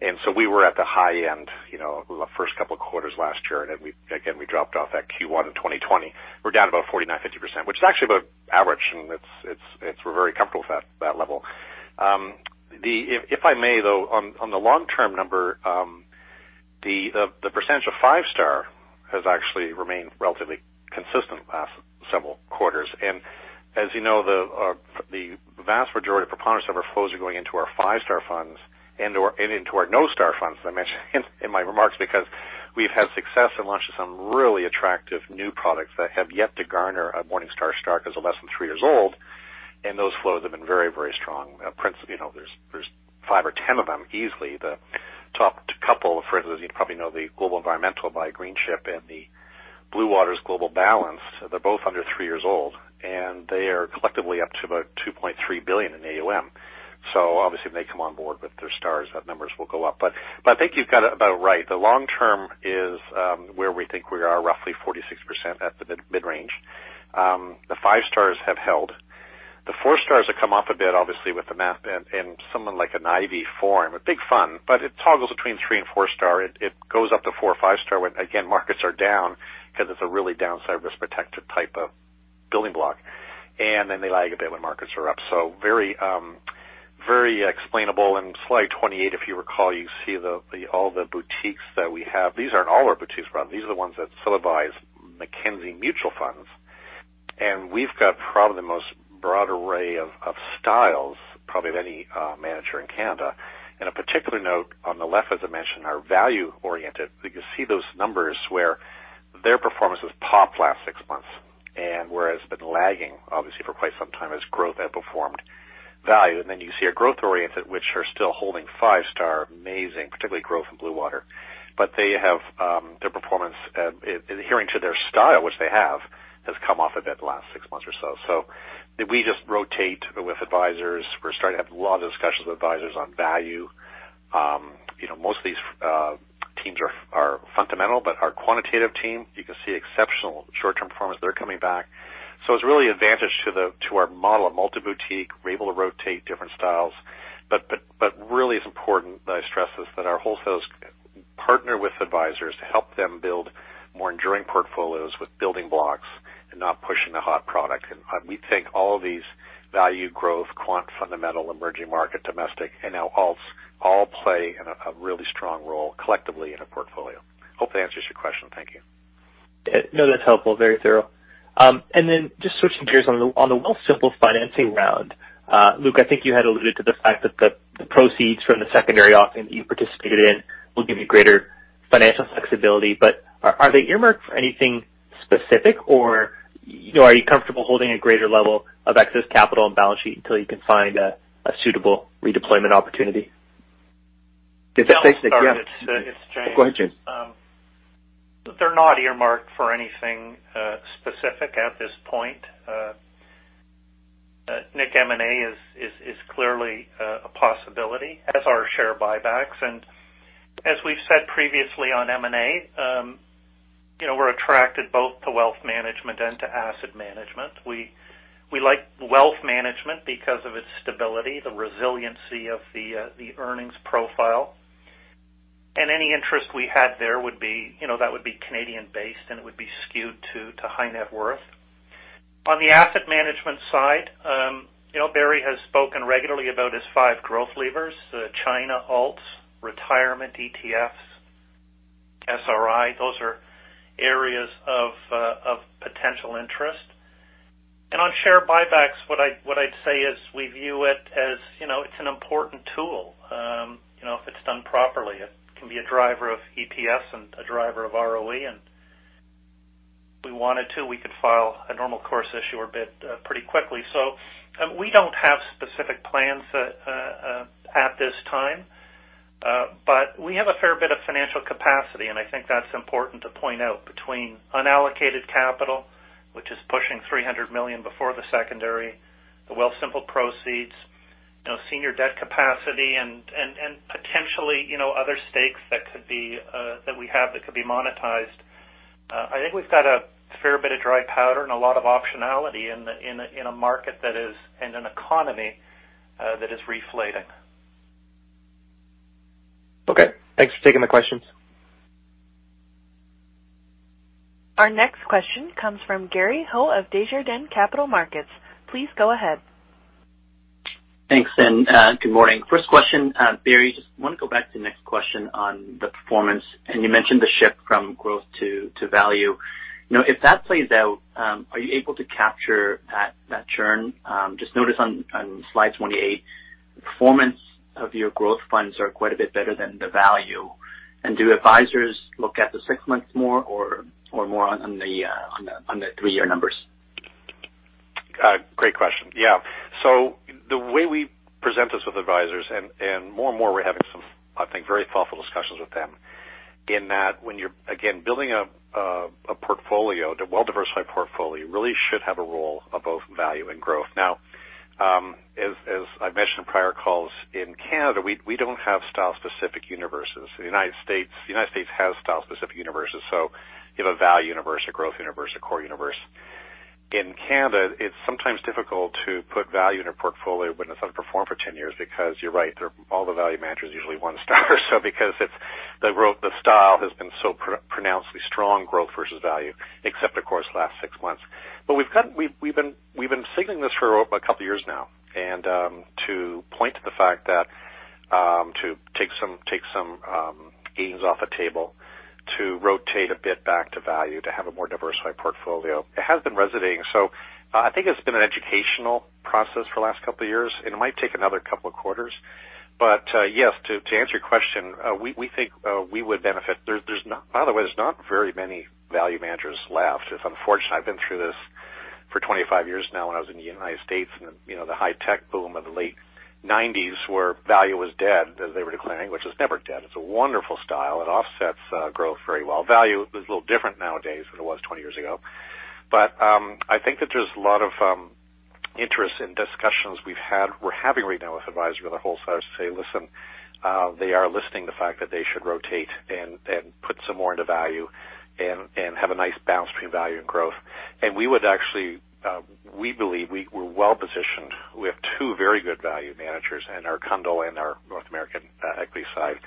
And so we were at the high end, you know, the first couple of quarters last year, and again, we dropped off at Q1 in 2020. We're down about 49-50%, which is actually about average, and we're very comfortable with that level. If I may, though, on the long-term number,... The percentage of five-star has actually remained relatively consistent the last several quarters. And as you know, the vast majority of preponderance of our flows are going into our five-star funds and, or, and into our no-star funds. I mentioned in, in my remarks because we've had success and launched some really attractive new products that have yet to garner a Morningstar star, because they're less than three years old, and those flows have been very, very strong. You know, there's, there's 5 or 10 of them easily. The top couple, for instance, you probably know the Global Environmental by Greenchip and the Bluewater Global Balanced, they're both under three years old, and they are collectively up to about 2.3 billion in AUM. So obviously, when they come on board with their stars, that numbers will go up. But I think you've got it about right. The long term is, where we think we are, roughly 46% at the mid-range. The five stars have held. The four stars have come off a bit, obviously, with the math, and someone like an Ivy foreign, a big fund, but it toggles between three and four star. It goes up to four or five star when, again, markets are down, 'cause it's a really downside risk protected type of building block, and then they lag a bit when markets are up. So very explainable. In slide 28, if you recall, you see the all the boutiques that we have. These aren't all our boutiques, but these are the ones that supply Mackenzie Mutual Funds, and we've got probably the most broad array of, of styles, probably of any manager in Canada. And a particular note on the left, as I mentioned, are value oriented. You can see those numbers where their performances popped last six months, and whereas been lagging, obviously, for quite some time as growth outperformed value. And then you see our growth oriented, which are still holding five-star, amazing, particularly growth in Bluewater. But they have their performance adhering to their style, which they have, has come off a bit the last six months or so. So we just rotate with advisors. We're starting to have a lot of discussions with advisors on value. You know, most of these teams are fundamental, but our quantitative team, you can see exceptional short-term performance. They're coming back. So it's really advantage to the our model of multi-boutique. We're able to rotate different styles, but really it's important that I stress this, that our wholesalers partner with advisors to help them build more enduring portfolios with building blocks and not pushing a hot product. And we think all of these value growth, quant, fundamental, emerging market, domestic, and now alts, all play in a really strong role collectively in a portfolio. Hope that answers your question. Thank you. No, that's helpful. Very thorough. And then just switching gears on the Wealthsimple financing round. Luke, I think you had alluded to the fact that the proceeds from the secondary offering that you participated in will give you greater financial flexibility, but are they earmarked for anything specific, or, you know, are you comfortable holding a greater level of excess capital and balance sheet until you can find a suitable redeployment opportunity? Did I say- Yeah, sorry, it's James. Go ahead, James. They're not earmarked for anything specific at this point. Nick, M&A is clearly a possibility, as are share buybacks. And as we've said previously on M&A, you know, we're attracted both to wealth management and to asset management. We like wealth management because of its stability, the resiliency of the earnings profile. And any interest we had there would be, you know, that would be Canadian based, and it would be skewed to high net worth. On the asset management side, you know, Barry has spoken regularly about his five growth levers, China, alts, retirement, ETFs, SRI. Those are areas of potential interest. And on share buybacks, what I'd say is we view it as, you know, it's an important tool. You know, if it's done properly, it can be a driver of EPS and a driver of ROE, and if we wanted to, we could file a normal course issuer bid pretty quickly. So, we don't have specific plans at this time, but we have a fair bit of financial capacity, and I think that's important to point out between unallocated capital, which is pushing 300 million before the secondary, the Wealthsimple proceeds, you know, senior debt capacity and potentially, you know, other stakes that could be that we have that could be monetized. I think we've got a fair bit of dry powder and a lot of optionality in a market that is in an economy that is reflating. Okay. Thanks for taking the questions. Our next question comes from Gary Ho of Desjardins Capital Markets. Please go ahead. Thanks, and good morning. First question, Barry, just want to go back to Nick's question on the performance, and you mentioned the shift from growth to value. You know, if that plays out, are you able to capture that churn? Just notice on slide 28, the performance of your growth funds are quite a bit better than the value. And do advisors look at the six months more or more on the three-year numbers? Great question. Yeah, so the way we present this with advisors, and more and more, we're having some, I think, very thoughtful discussions with them in that when you're, again, building a portfolio, the well-diversified portfolio really should have a role of both value and growth. Now, as I mentioned in prior calls, in Canada, we don't have style-specific universes. The United States has style-specific universes, so you have a value universe, a growth universe, a core universe. In Canada, it's sometimes difficult to put value in a portfolio when it's underperformed for 10 years, because you're right, they're all the value managers are usually one star. So because it's the growth, the style has been so pronouncedly strong growth versus value, except of course, the last 6 months. But we've been signaling this for a couple of years now. And to point to the fact that to take some gains off the table to rotate a bit back to value, to have a more diversified portfolio. It has been resonating. So I think it's been an educational process for the last couple of years, and it might take another couple of quarters. But yes, to answer your question, we think we would benefit. By the way, there's not very many value managers left. It's unfortunate. I've been through this for 25 years now when I was in the United States, and you know, the high tech boom of the late 1990s, where value was dead, as they were declaring, which is never dead. It's a wonderful style. It offsets growth very well. Value is a little different nowadays than it was 20 years ago. But I think that there's a lot of interest in discussions we've had- we're having right now with advisors on the whole side to say, "Listen," they are listing the fact that they should rotate and put some more into value and have a nice balance between value and growth. And we would actually, we believe we're well positioned. We have two very good value managers in our Cundill and our North American Equity side.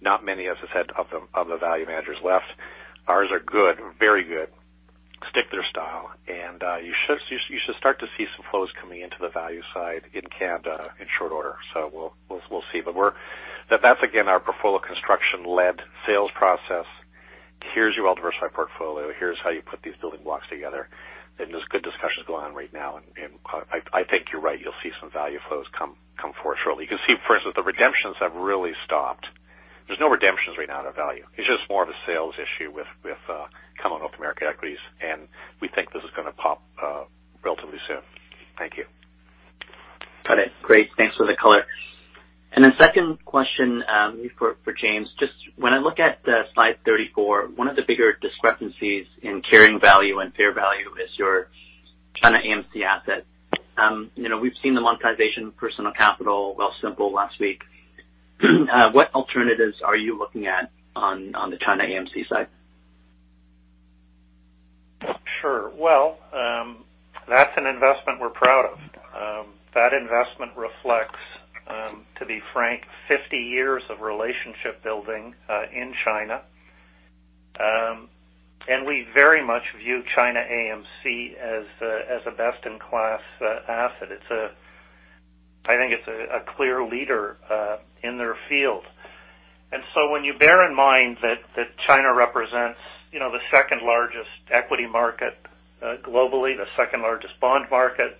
Not many, as I said, of the value managers left. Ours are good, very good. Stick their style, and you should start to see some flows coming into the value side in Canada in short order. So we'll see. But we're... That, that's again, our portfolio construction-led sales process. Here's your well-diversified portfolio. Here's how you put these building blocks together. And there's good discussions going on right now, and I think you're right, you'll see some value flows come forth shortly. You can see, for instance, the redemptions have really stopped. There's no redemptions right now out of value. It's just more of a sales issue with coming North American Equities, and we think this is gonna pop relatively soon. Thank you. Got it. Great. Thanks for the color. And then second question, maybe for, for James. Just when I look at slide 34, one of the bigger discrepancies in carrying value and fair value is your ChinaAMC asset. You know, we've seen the monetization Personal Capital Wealthsimple last week. What alternatives are you looking at on, on the ChinaAMC side? Sure. Well, that's an investment we're proud of. That investment reflects, to be frank, 50 years of relationship building in China. And we very much view China AMC as a best-in-class asset. It's a—I think it's a clear leader in their field. And so when you bear in mind that China represents, you know, the second largest equity market globally, the second largest bond market,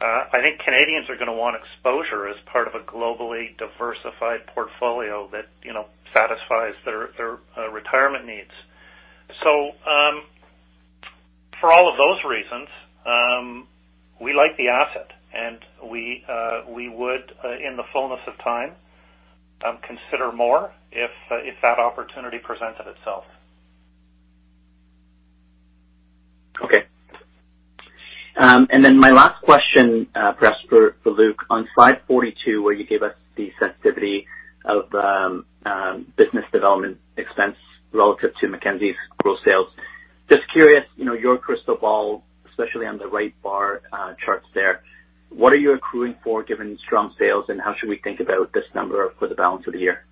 I think Canadians are gonna want exposure as part of a globally diversified portfolio that, you know, satisfies their retirement needs. So, for all of those reasons, we like the asset, and we would, in the fullness of time, consider more if that opportunity presented itself. Okay. And then my last question, perhaps for Luke. On slide 42, where you gave us the sensitivity of business development expense relative to Mackenzie's growth sales. Just curious, you know, your crystal ball, especially on the right bar charts there, what are you accruing for, given strong sales, and how should we think about this number for the balance of the year?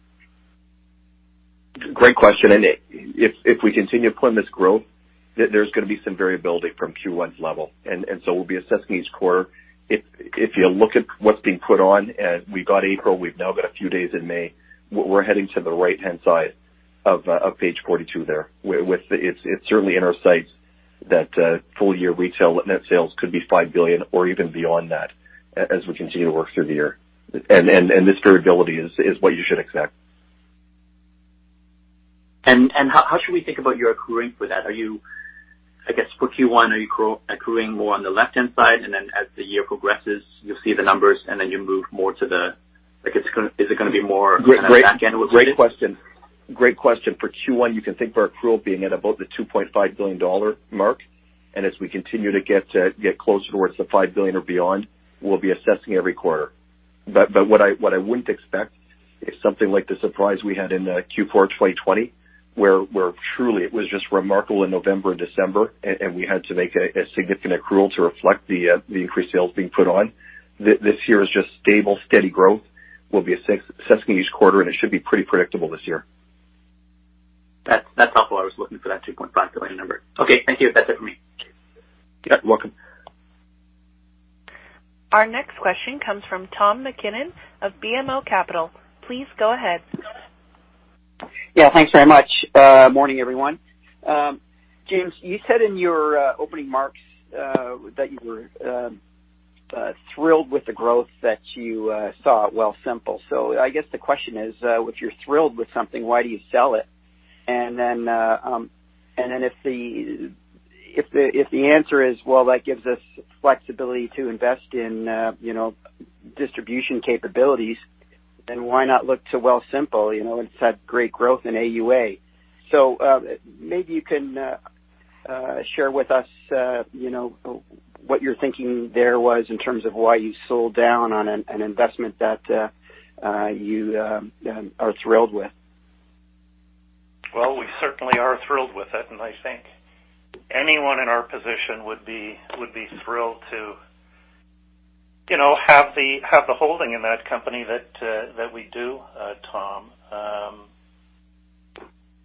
Great question, and if we continue to pull this growth, there's gonna be some variability from Q1's level, and so we'll be assessing each quarter. If you look at what's being put on, and we've got April, we've now got a few days in May, we're heading to the right-hand side of page 42 there, with the... It's certainly in our sights that full year retail net sales could be 5 billion or even beyond that, as we continue to work through the year. And this variability is what you should expect. How should we think about your accruing for that? Are you, I guess, for Q1, accruing more on the left-hand side, and then as the year progresses, you'll see the numbers, and then you move more to the... Like, is it gonna be more- Great, great question. Great question. For Q1, you can think of our accrual being at about the 2.5 billion dollar mark, and as we continue to get closer towards the 5 billion or beyond, we'll be assessing every quarter. But what I wouldn't expect is something like the surprise we had in Q4 2020, where truly it was just remarkable in November and December, and we had to make a significant accrual to reflect the increased sales being put on. This year is just stable, steady growth. We'll be assessing each quarter, and it should be pretty predictable this year. That's, that's helpful. I was looking for that 2.5 billion number. Okay. Thank you. That's it for me. Yeah. Welcome. Our next question comes from Tom MacKinnon of BMO Capital Markets. Please go ahead. Yeah, thanks very much. Morning, everyone. James, you said in your opening remarks that you were thrilled with the growth that you saw at Wealthsimple. So I guess the question is, if you're thrilled with something, why do you sell it? And then, if the answer is, "Well, that gives us flexibility to invest in, you know, distribution capabilities," then why not look to Wealthsimple? You know, it's had great growth in AUA. So, maybe you can share with us, you know, what you're thinking there was in terms of why you sold down on an investment that you are thrilled with. Well, we certainly are thrilled with it, and I think anyone in our position would be, would be thrilled to, you know, have the, have the holding in that company that, that we do, Tom.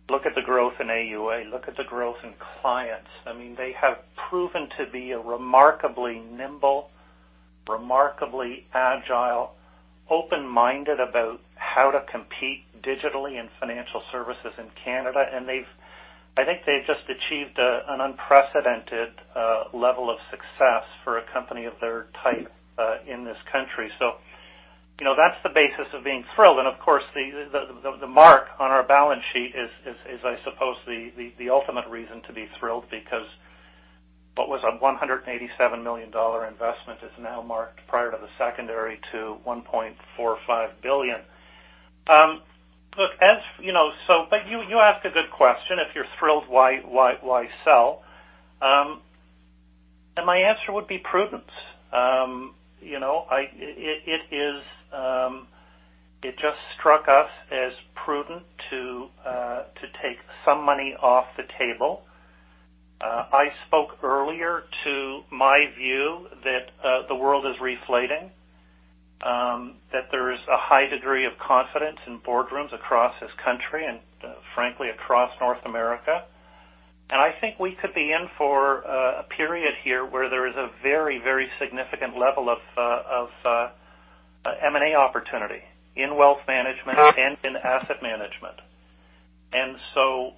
Look at the growth in AUA, look at the growth in clients. I mean, they have proven to be remarkably agile, open-minded about how to compete digitally in financial services in Canada, and they've, I think they've just achieved, an unprecedented, level of success for a company of their type, in this country. So, you know, that's the basis of being thrilled, and of course, the mark on our balance sheet is, I suppose, the ultimate reason to be thrilled, because what was a 187 million dollar investment is now marked prior to the secondary to 1.45 billion. Look, as you know, so but you, you asked a good question, if you're thrilled, why, why, why sell? And my answer would be prudence. You know, I, it is, it just struck us as prudent to take some money off the table. I spoke earlier to my view that the world is reflating, that there is a high degree of confidence in boardrooms across this country and, frankly, across North America. And I think we could be in for a period here where there is a very, very significant level of M&A opportunity in wealth management and in asset management. And so,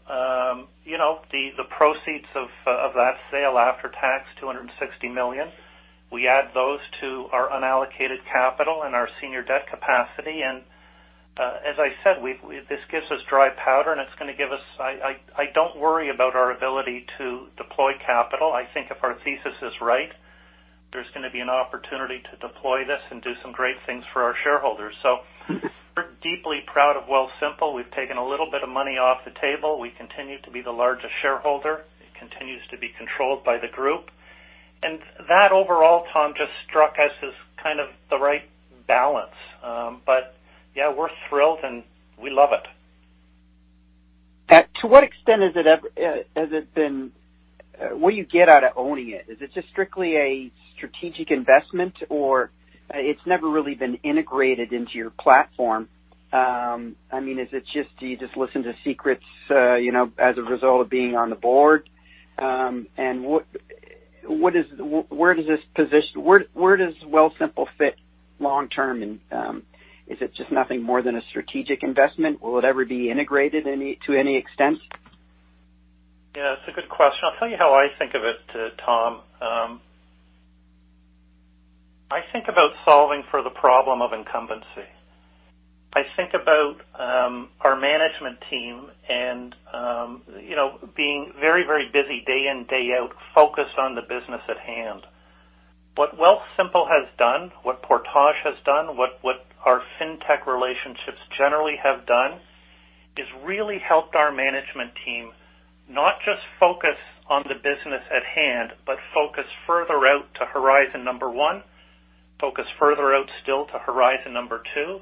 you know, the proceeds of that sale after tax, $260 million, we add those to our unallocated capital and our senior debt capacity. As I said, this gives us dry powder, and it's gonna give us... I don't worry about our ability to deploy capital. I think if our thesis is right, there's gonna be an opportunity to deploy this and do some great things for our shareholders. So we're deeply proud of Wealthsimple. We've taken a little bit of money off the table. We continue to be the largest shareholder. It continues to be controlled by the group. And that overall, Tom, just struck us as kind of the right balance. But yeah, we're thrilled, and we love it. To what extent has it been, what do you get out of owning it? Is it just strictly a strategic investment, or it's never really been integrated into your platform? I mean, is it just, do you just listen to secrets, you know, as a result of being on the board? And what is, where does this position... Where does Wealthsimple fit long term, and is it just nothing more than a strategic investment? Will it ever be integrated to any extent? Yeah, that's a good question. I'll tell you how I think of it, Tom. I think about solving for the problem of incumbency. I think about our management team and, you know, being very, very busy day in, day out, focused on the business at hand. What Wealthsimple has done, what Portage has done, what our fintech relationships generally have done, is really helped our management team not just focus on the business at hand, but focus further out to horizon number one, focus further out still to horizon number two.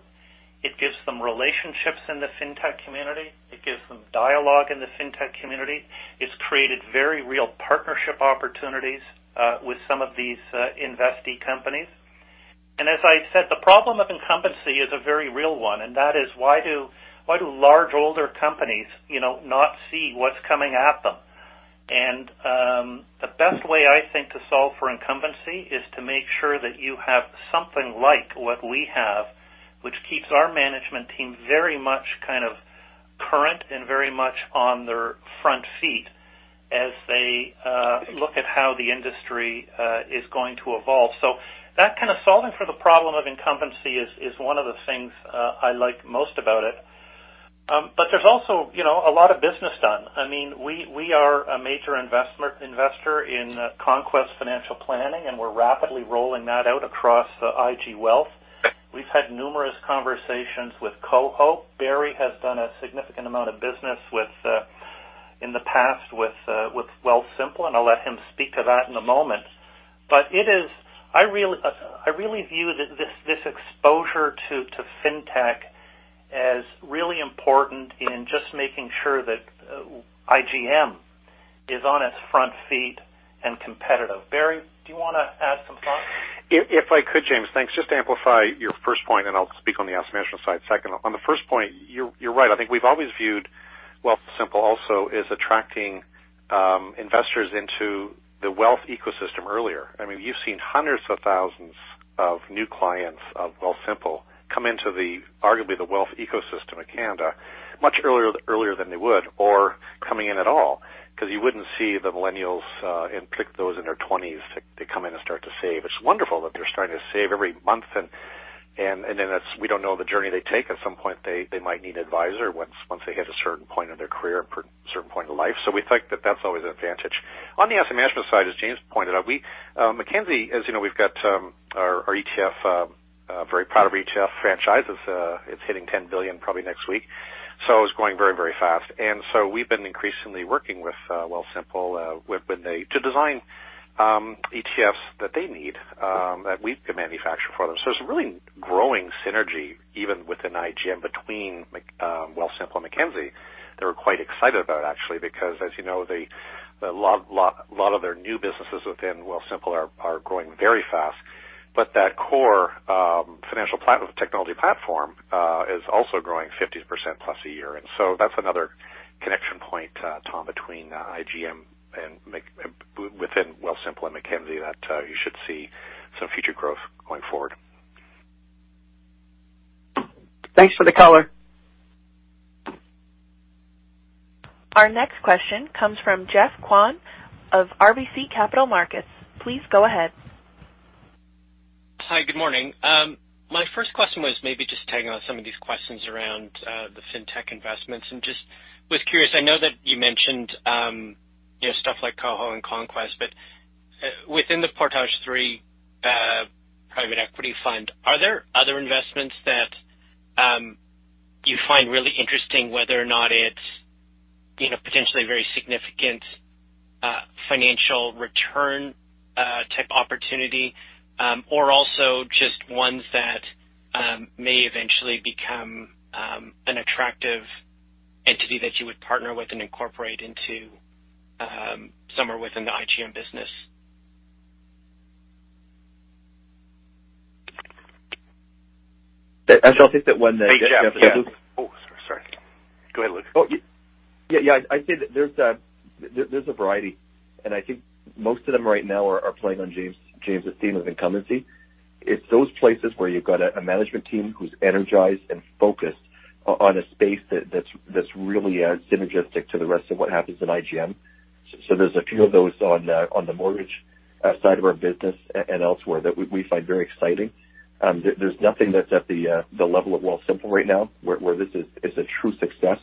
It gives them relationships in the fintech community. It gives them dialogue in the fintech community. It's created very real partnership opportunities, with some of these, investee companies. And as I said, the problem of incumbency is a very real one, and that is, why do, why do large, older companies, you know, not see what's coming at them? And the best way I think to solve for incumbency is to make sure that you have something like what we have, which keeps our management team very much kind of current and very much on their front feet as they look at how the industry is going to evolve. So that kind of solving for the problem of incumbency is, is one of the things I like most about it. But there's also, you know, a lot of business done. I mean, we, we are a major investor in Conquest Planning, and we're rapidly rolling that out across the IG Wealth. We've had numerous conversations with KOHO. Barry has done a significant amount of business with, in the past, with Wealthsimple, and I'll let him speak to that in a moment. But it is... I really view this exposure to fintech as really important in just making sure that IGM is on its front feet and competitive. Barry, do you wanna add some thoughts? If I could, James, thanks. Just to amplify your first point, and I'll speak on the asset management side second. On the first point, you're right. I think we've always viewed Wealthsimple also as attracting investors into the wealth ecosystem earlier. I mean, you've seen hundreds of thousands of new clients of Wealthsimple come into the, arguably the wealth ecosystem of Canada much earlier than they would, or coming in at all, 'cause you wouldn't see the millennials, in particular those in their twenties, to come in and start to save. It's wonderful that they're starting to save every month, and then it's, we don't know the journey they take. At some point, they might need an advisor once they hit a certain point in their career, certain point in life. So we think that that's always an advantage. On the asset management side, as James pointed out, we, Mackenzie, as you know, we've got our ETF, very proud of our ETF franchises. It's hitting 10 billion probably next week, so it's growing very, very fast. And so we've been increasingly working with Wealthsimple, with a to design ETFs that they need that we can manufacture for them. So there's a really growing synergy, even within IGM, between Wealthsimple and Mackenzie, that we're quite excited about, actually, because, as you know, a lot, lot, lot of their new businesses within Wealthsimple are growing very fast. But that core financial technology platform is also growing 50%+ a year, and so that's another-... Connection point, Tom, between IGM and Mackenzie within Wealthsimple that you should see some future growth going forward. Thanks for the color. Our next question comes from Geoffrey Kwan of RBC Capital Markets. Please go ahead. Hi, good morning. My first question was maybe just tagging on some of these questions around the fintech investments. And just was curious, I know that you mentioned, you know, stuff like KOHO and Conquest, but within the Portage III private equity fund, are there other investments that you find really interesting, whether or not it's, you know, potentially very significant financial return type opportunity, or also just ones that may eventually become an attractive entity that you would partner with and incorporate into somewhere within the IGM business? I'll take that one, Jeff. Oh, sorry. Go ahead, Luke. Oh, yeah, yeah. I'd say that there's, there's a variety, and I think most of them right now are, are playing on James, James' theme of incumbency. It's those places where you've got a, a management team who's energized and focused on, on a space that, that's, that's really, synergistic to the rest of what happens in IGM. So there's a few of those on, on the mortgage, side of our business and elsewhere that we, we find very exciting. There, there's nothing that's at the, the level of Wealthsimple right now, where, where this is, it's a true success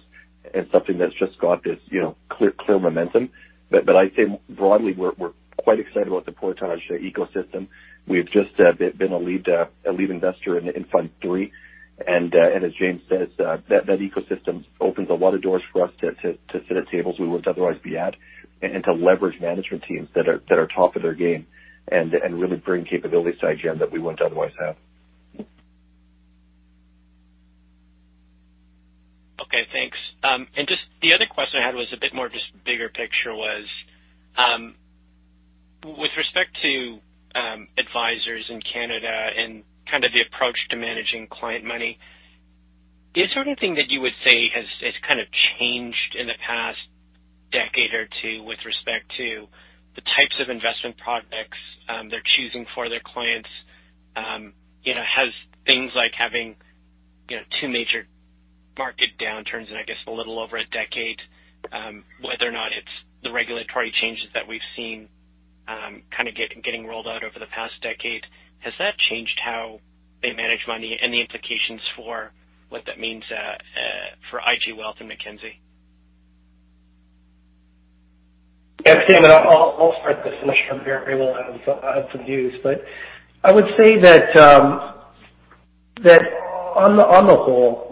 and something that's just got this, you know, clear, clear momentum. But, but I'd say broadly, we're, we're quite excited about the Portage ecosystem. We've just, been a lead, a lead investor in, in fund three. And as James says, that ecosystem opens a lot of doors for us to sit at tables we wouldn't otherwise be at, and to leverage management teams that are top of their game and really bring capabilities to IGM that we wouldn't otherwise have. Okay, thanks. Just the other question I had was a bit more just bigger picture was, with respect to, advisors in Canada and kind of the approach to managing client money, is there anything that you would say has kind of changed in the past decade or two with respect to the types of investment products they're choosing for their clients? You know, has things like having, you know, two major market downturns in, I guess, a little over a decade, whether or not it's the regulatory changes that we've seen, kind of getting rolled out over the past decade, has that changed how they manage money and the implications for what that means, for IG Wealth and Mackenzie? I'll start this, and I'm sure everyone will have some views. But I would say that on the whole,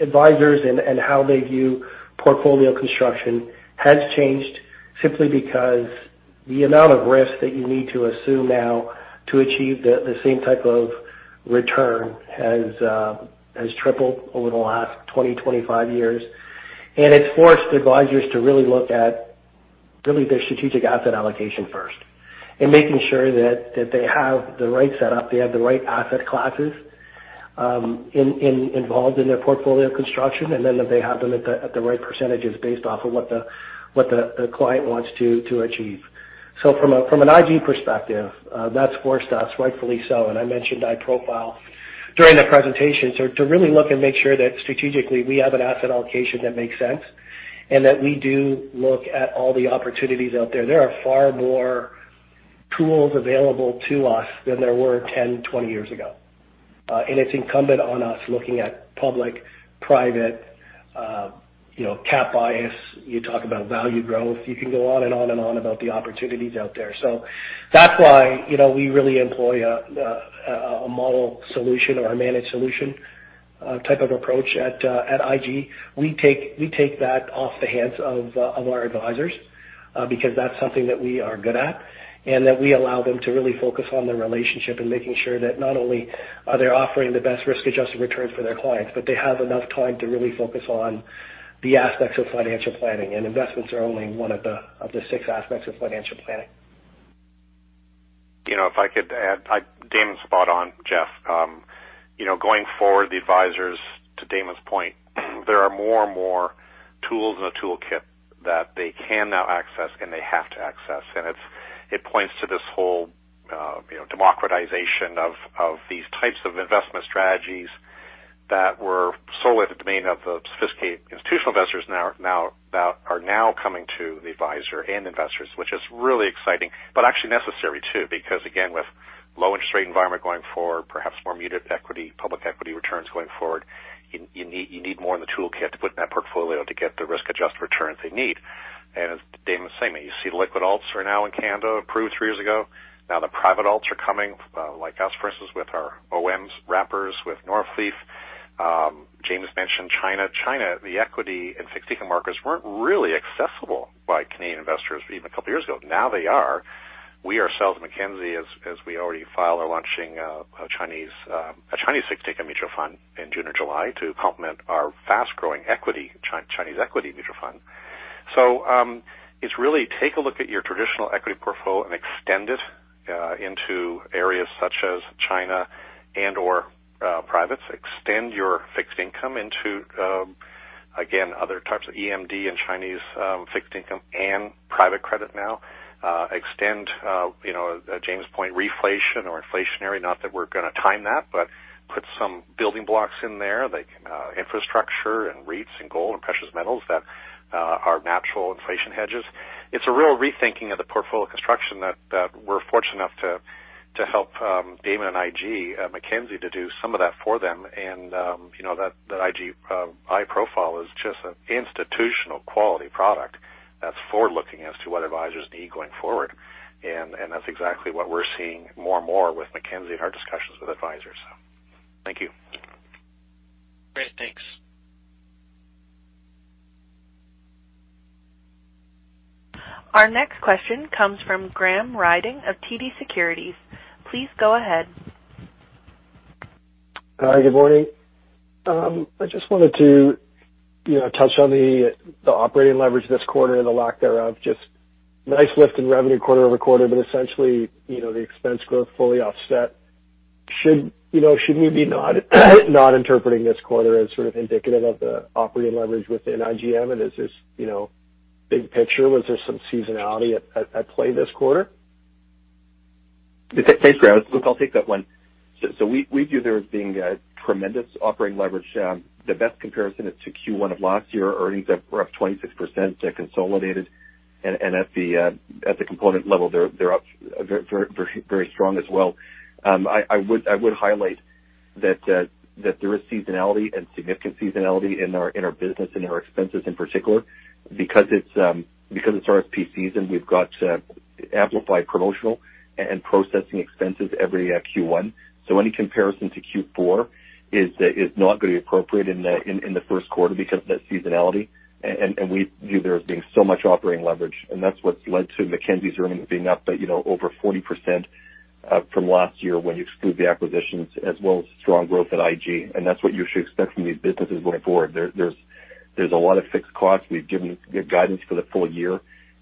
advisors and how they view portfolio construction has changed simply because the amount of risk that you need to assume now to achieve the same type of return has tripled over the last 25 years. And it's forced advisors to really look at their strategic asset allocation first, and making sure that they have the right setup, they have the right asset classes involved in their portfolio construction, and then that they have them at the right percentages based off of what the client wants to achieve. So from an IG perspective, that's forced us, rightfully so, and I mentioned iProfile during the presentation, so to really look and make sure that strategically we have an asset allocation that makes sense, and that we do look at all the opportunities out there. There are far more tools available to us than there were 10, 20 years ago, and it's incumbent on us looking at public, private, you know, cap bias. You talk about value growth, you can go on and on and on about the opportunities out there. So that's why, you know, we really employ a model solution or a managed solution type of approach at IG. We take that off the hands of our advisors because that's something that we are good at, and that we allow them to really focus on the relationship and making sure that not only are they offering the best risk-adjusted return for their clients, but they have enough time to really focus on the aspects of financial planning, and investments are only one of the six aspects of financial planning. You know, if I could add, Damon's spot on, Jeff. You know, going forward, the advisors, to Damon's point, there are more and more tools in the toolkit that they can now access and they have to access, and it points to this whole, you know, democratization of these types of investment strategies that were solely the domain of the sophisticated institutional investors now that are now coming to the advisor and investors, which is really exciting, but actually necessary, too. Because, again, with low interest rate environment going forward, perhaps more muted equity, public equity returns going forward, you need more in the toolkit to put in that portfolio to get the risk-adjusted returns they need. And as Damon was saying, you see the liquid alts are now in Canada, approved three years ago. Now, the private alts are coming, like us, for instance, with our OMs wrappers, with Northleaf. James mentioned China. China, the equity and fixed income markets weren't really accessible by Canadian investors even a couple years ago. Now they are. We ourselves, Mackenzie, as, as we already filed, are launching, a Chinese, a Chinese fixed income mutual fund in June or July to complement our fast-growing equity, Chinese equity mutual fund. So, it's really take a look at your traditional equity portfolio and extend it, into areas such as China and/or extend your fixed income into, again, other types of EMD and Chinese, fixed income and private credit now. Extend, you know, James' point reflation or inflationary, not that we're going to time that, but put some building blocks in there, like, infrastructure and REITs and gold and precious metals that are natural inflation hedges. It's a real rethinking of the portfolio construction that we're fortunate enough to help Damon and IG, Mackenzie, to do some of that for them. And, you know, that IG iProfile is just an institutional quality product that's forward-looking as to what advisors need going forward. And that's exactly what we're seeing more and more with Mackenzie in our discussions with advisors. Thank you. Great. Thanks. Our next question comes from Graham Ryding of TD Securities. Please go ahead. Hi, good morning. I just wanted to, you know, touch on the operating leverage this quarter and the lack thereof. Just nice lift in revenue quarter-over-quarter, but essentially, you know, the expense growth fully offset. Should we, you know, be not interpreting this quarter as sort of indicative of the operating leverage within IGM? And is this, you know, big picture, was there some seasonality at play this quarter? Thanks, Graham. Look, I'll take that one. So, we view there as being a tremendous operating leverage. The best comparison is to Q1 of last year. Earnings are, were up 26% consolidated, and at the component level, they're up very, very strong as well. I would highlight that there is seasonality and significant seasonality in our business and our expenses in particular. Because it's RSP season, we've got amplified promotional and processing expenses every Q1. So any comparison to Q4 is not going to be appropriate in the first quarter because of that seasonality. We view there as being so much operating leverage, and that's what's led to Mackenzie's earnings being up by, you know, over 40%, from last year, when you exclude the acquisitions as well as strong growth at IG. And that's what you should expect from these businesses going forward. There's a lot of fixed costs. We've given good guidance for the full year,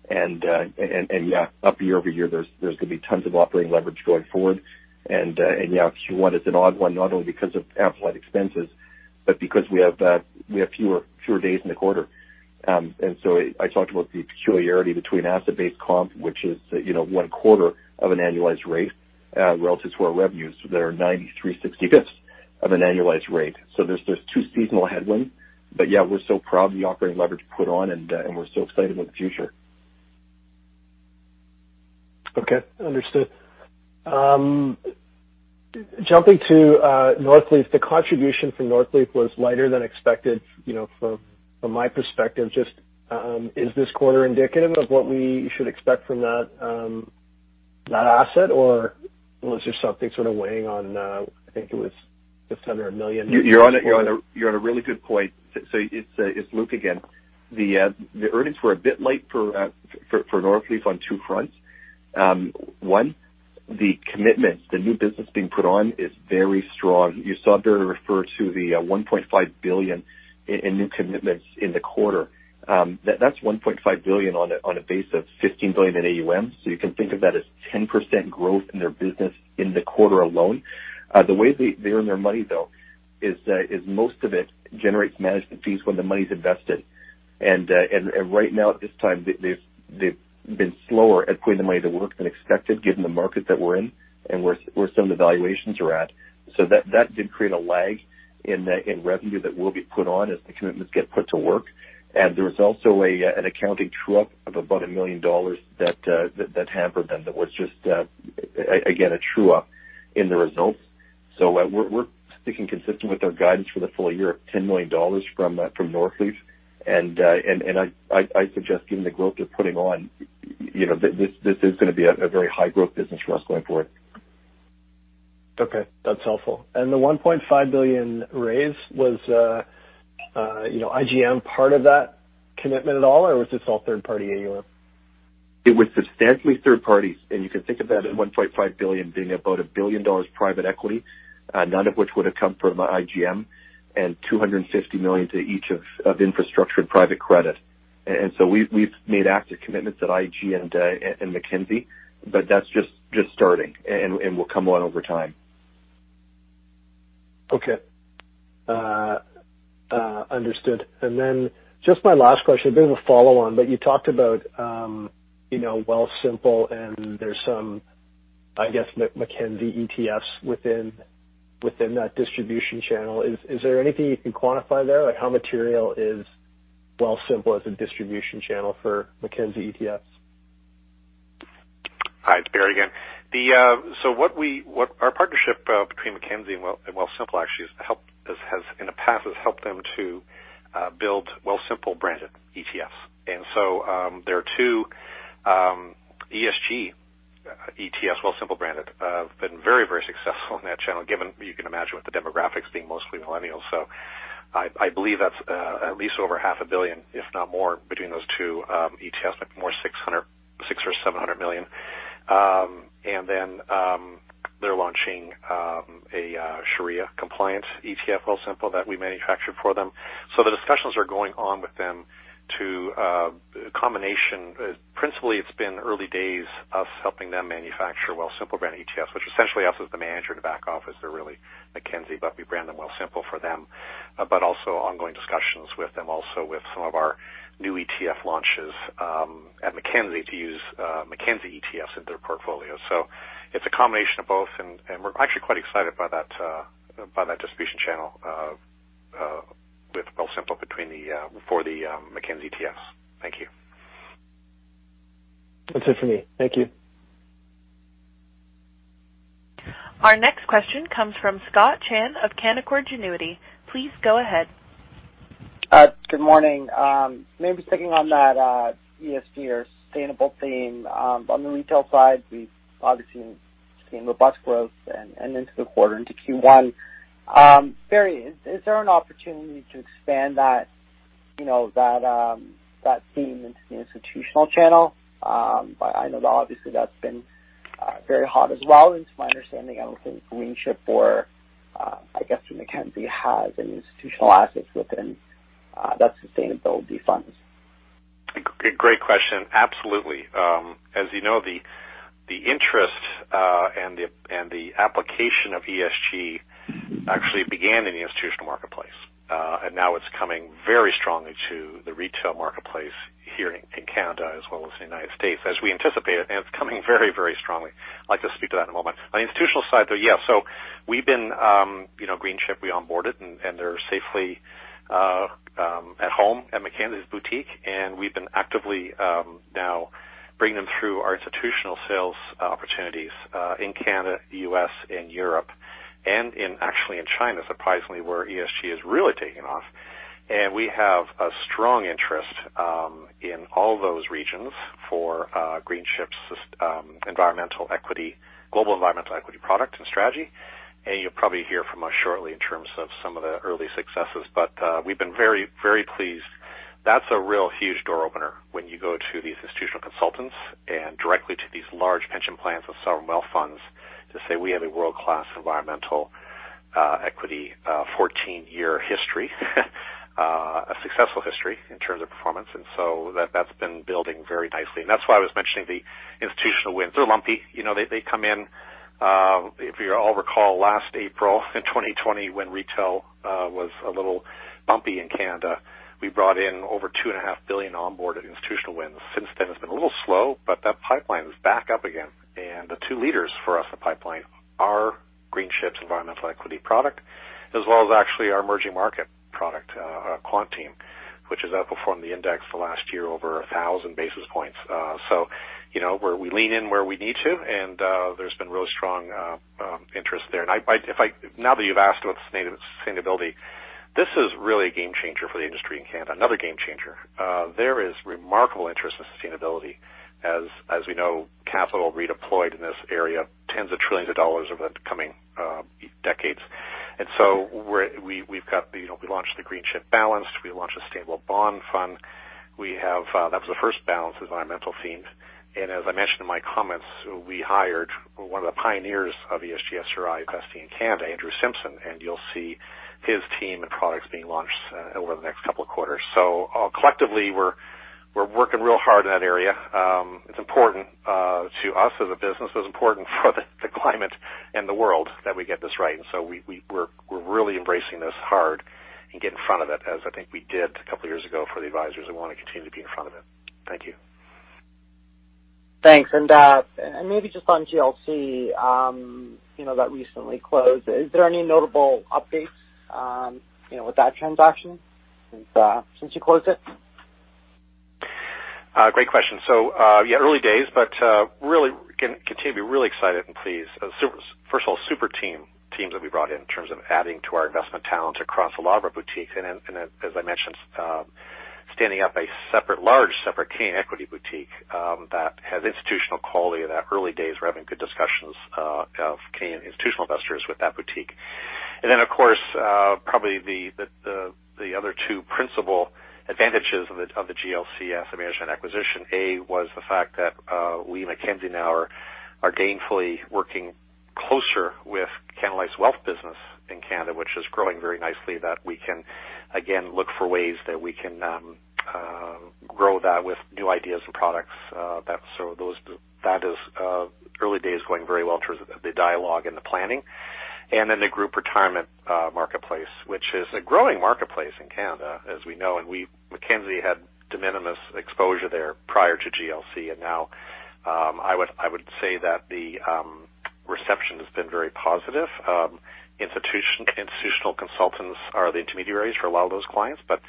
and yeah, up year over year, there's going to be tons of operating leverage going forward. And yeah, Q1 is an odd one, not only because of amplified expenses, but because we have fewer days in the quarter. and so I talked about the peculiarity between asset-based comp, which is, you know, 1/4 of an annualized rate, relative to our revenues that are 93/65 of an annualized rate. So there's two seasonal headwinds, but yeah, we're so proud of the operating leverage put on, and, and we're so excited about the future. Okay, understood. Jumping to Northleaf, the contribution from Northleaf was lighter than expected, you know, from my perspective. Just, is this quarter indicative of what we should expect from that asset, or was there something sort of weighing on... I think it was just under 1 million. You're on a really good point. So it's Luke again. The earnings were a bit light for Northleaf on two fronts. One, the commitments, the new business being put on is very strong. You saw Barry refer to the 1.5 billion in new commitments in the quarter. That's 1.5 billion on a base of 15 billion in AUM. So you can think of that as 10% growth in their business in the quarter alone. The way they earn their money though is most of it generates management fees when the money's invested. Right now, at this time, they've been slower at putting the money to work than expected, given the market that we're in and where some of the valuations are at. So that did create a lag in the revenue that will be put on as the commitments get put to work. And there was also an accounting true-up of about 1 million dollars that hampered them. That was just again a true-up in the results. So we're sticking consistent with our guidance for the full year of 10 million dollars from Northleaf. And I suggest given the growth they're putting on, you know, this is going to be a very high growth business for us going forward. Okay, that's helpful. And the 1.5 billion raise was, you know, IGM part of that commitment at all, or was this all third party AUM? It was substantially third party, and you can think of that 1.5 billion being about 1 billion dollars private equity, none of which would have come from IGM, and 250 million to each of infrastructure and private credit. And so we've made active commitments at IG and Mackenzie, but that's just starting and will come on over time. Okay. Understood. And then just my last question, a bit of a follow-on, but you talked about, you know, Wealthsimple, and there's some, I guess, Mackenzie ETFs within that distribution channel. Is there anything you can quantify there, like how material is Wealthsimple as a distribution channel for Mackenzie ETFs? Hi, it's Barry again. Our partnership between Mackenzie and Wealthsimple actually has helped in the past helped them to build Wealthsimple-branded ETFs. And so, there are two ESG ETFs, Wealthsimple-branded, been very, very successful in that channel, given you can imagine with the demographics being mostly millennials. So I believe that's at least over 500 million, if not more, between those two ETFs, maybe more, 600 million-700 million. And then, they're launching a Sharia-compliant ETF, Wealthsimple, that we manufacture for them. So the discussions are going on with them to a combination. Principally, it's been early days of helping them manufacture Wealthsimple brand ETFs, which essentially us as the manager to back office. They're really Mackenzie, but we brand them Wealthsimple for them. But also ongoing discussions with them, also with some of our new ETF launches at Mackenzie to use Mackenzie ETFs in their portfolio. So it's a combination of both, and we're actually quite excited by that distribution channel with Wealthsimple between the for the Mackenzie ETFs. Thank you. That's it for me. Thank you. Our next question comes from Scott Chan of Canaccord Genuity. Please go ahead. Good morning. Maybe sticking on that, ESG or sustainable theme, on the retail side, we've obviously seen robust growth and into the quarter into Q1. Barry, is there an opportunity to expand that, you know, that theme into the institutional channel? But I know obviously that's been very hot as well, and it's my understanding, I would think Greenchip or, I guess Mackenzie has an institutional assets within that sustainability funds. Great question. Absolutely. As you know, the interest and the application of ESG actually began in the institutional marketplace, and now it's coming very strongly to the retail marketplace here in Canada, as well as the United States, as we anticipated, and it's coming very, very strongly. I'd like to speak to that in a moment. On the institutional side, though, yeah, so we've been, you know, Greenchip, we onboarded and they're safely at home at Mackenzie's boutique, and we've been actively now bringing them through our institutional sales opportunities in Canada, U.S., and Europe, and actually in China, surprisingly, where ESG is really taking off. And we have a strong interest in all those regions for Greenchip's environmental equity, global environmental equity product and strategy. You'll probably hear from us shortly in terms of some of the early successes, but, we've been very, very pleased. That's a real huge door opener when you go to these institutional consultants and directly to these large pension plans of sovereign wealth funds to say we have a world-class environmental equity 14-year history, a successful history in terms of performance, and so that's been building very nicely. And that's why I was mentioning the institutional wins. They're lumpy. You know, they come in, if you all recall, last April in 2020, when retail was a little bumpy in Canada, we brought in over 2.5 billion onboarded institutional wins. Since then, it's been a little slow, but that pipeline is back up again, and the two leaders for us in the pipeline are Greenchip's environmental equity product, as well as actually our emerging market product, Quant Team, which has outperformed the index the last year over 1,000 basis points. So, you know, where we lean in where we need to, and, there's been really strong interest there. Now that you've asked about sustainability, this is really a game changer for the industry in Canada, another game changer. There is remarkable interest in sustainability. As we know, capital redeployed in this area, tens of trillions of dollars over the coming decades. And so we've got the, you know, we launched the Greenchip Balanced, we launched a sustainable bond fund. We have, that was the first balanced environmental themed, and as I mentioned in my comments, we hired one of the pioneers of ESG SRI investing in Canada, Andrew Simpson, and you'll see his team and products being launched, over the next couple of quarters. So, collectively, we're, we're working real hard in that area. It's important, to us as a business, but it's important for the, the climate and the world that we get this right. And so we, we, we're, we're really embracing this hard and get in front of it, as I think we did a couple of years ago, for the advisors who want to continue to be in front of it. Thank you. Thanks. And maybe just on GLC, you know, that recently closed. Is there any notable updates, you know, with that transaction, since you closed it? Great question. So, yeah, early days, but really continue to be really excited and pleased. First of all, super teams that we brought in terms of adding to our investment talent across a lot of our boutiques, and then, and as I mentioned, standing up a separate, large, separate Canadian equity boutique that has institutional quality, and at early days, we're having good discussions of Canadian institutional investors with that boutique. And then, of course, probably the other two principal advantages of the GLC Asset Management acquisition, A, was the fact that we, Mackenzie now are gainfully working closer with Canada Life wealth business in Canada, which is growing very nicely, that we can again look for ways that we can grow that with new ideas and products. That is early days going very well in terms of the dialogue and the planning. And then the group retirement marketplace, which is a growing marketplace in Canada, as we know, and Mackenzie had de minimis exposure there prior to GLC, and now, I would, I would say that the reception has been very positive. Institutional consultants are the intermediaries for a lot of those clients, but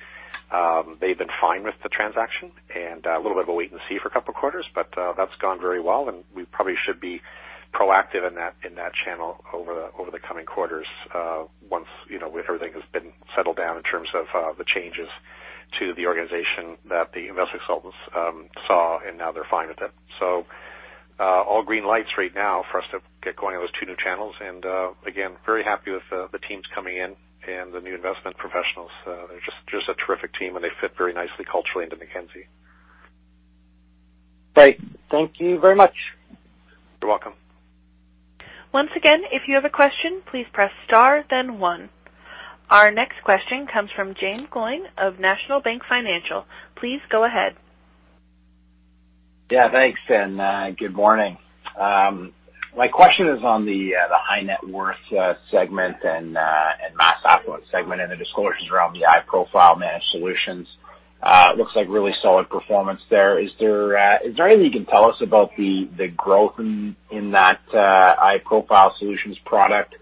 they've been fine with the transaction and a little bit of a wait and see for a couple of quarters, but that's gone very well, and we probably should be proactive in that channel over the coming quarters, once, you know, everything has been settled down in terms of the changes to the organization that the investment consultants saw, and now they're fine with it. So, all green lights right now for us to get going on those two new channels. And again, very happy with the teams coming in and the new investment professionals. They're just, just a terrific team, and they fit very nicely culturally into Mackenzie. Great. Thank you very much. You're welcome. Once again, if you have a question, please press star, then one. Our next question comes from Jaeme Gloyn of National Bank Financial. Please go ahead. Yeah, thanks, and good morning. My question is on the high net worth segment and mass affluent segment, and the disclosures around the iProfile Managed Solutions. It looks like really solid performance there. Is there anything you can tell us about the growth in that iProfile Solutions product?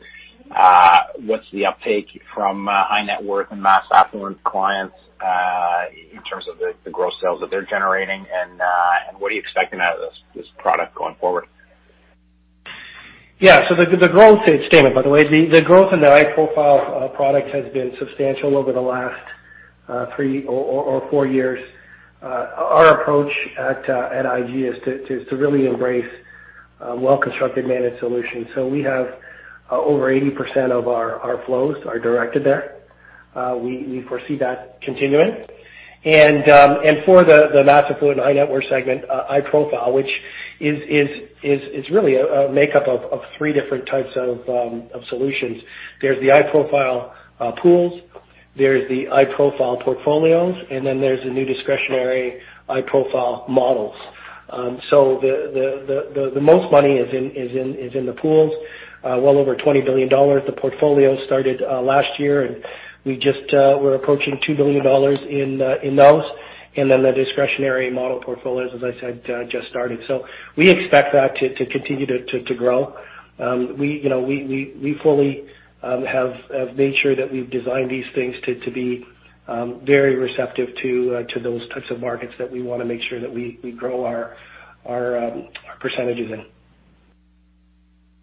What's the uptake from high net worth and mass affluent clients in terms of the growth sales that they're generating? And what are you expecting out of this product going forward? Yeah, so the growth statement, by the way, the growth in the iProfile product has been substantial over the last three or four years. Our approach at IG is to really embrace well-constructed managed solutions. So we have over 80% of our flows directed there. We foresee that continuing. For the mass affluent and high net worth segment, iProfile, which is really a makeup of three different types of solutions. There's the iProfile pools, there's the iProfile portfolios, and then there's the new discretionary iProfile models. The most money is in the pools, well over 20 billion dollars. The portfolio started last year, and we just we're approaching 2 billion dollars in those. And then the discretionary model portfolios, as I said, just started. So we expect that to continue to grow. We, you know, we fully have made sure that we've designed these things to be very receptive to those types of markets that we want to make sure that we grow our percentages in.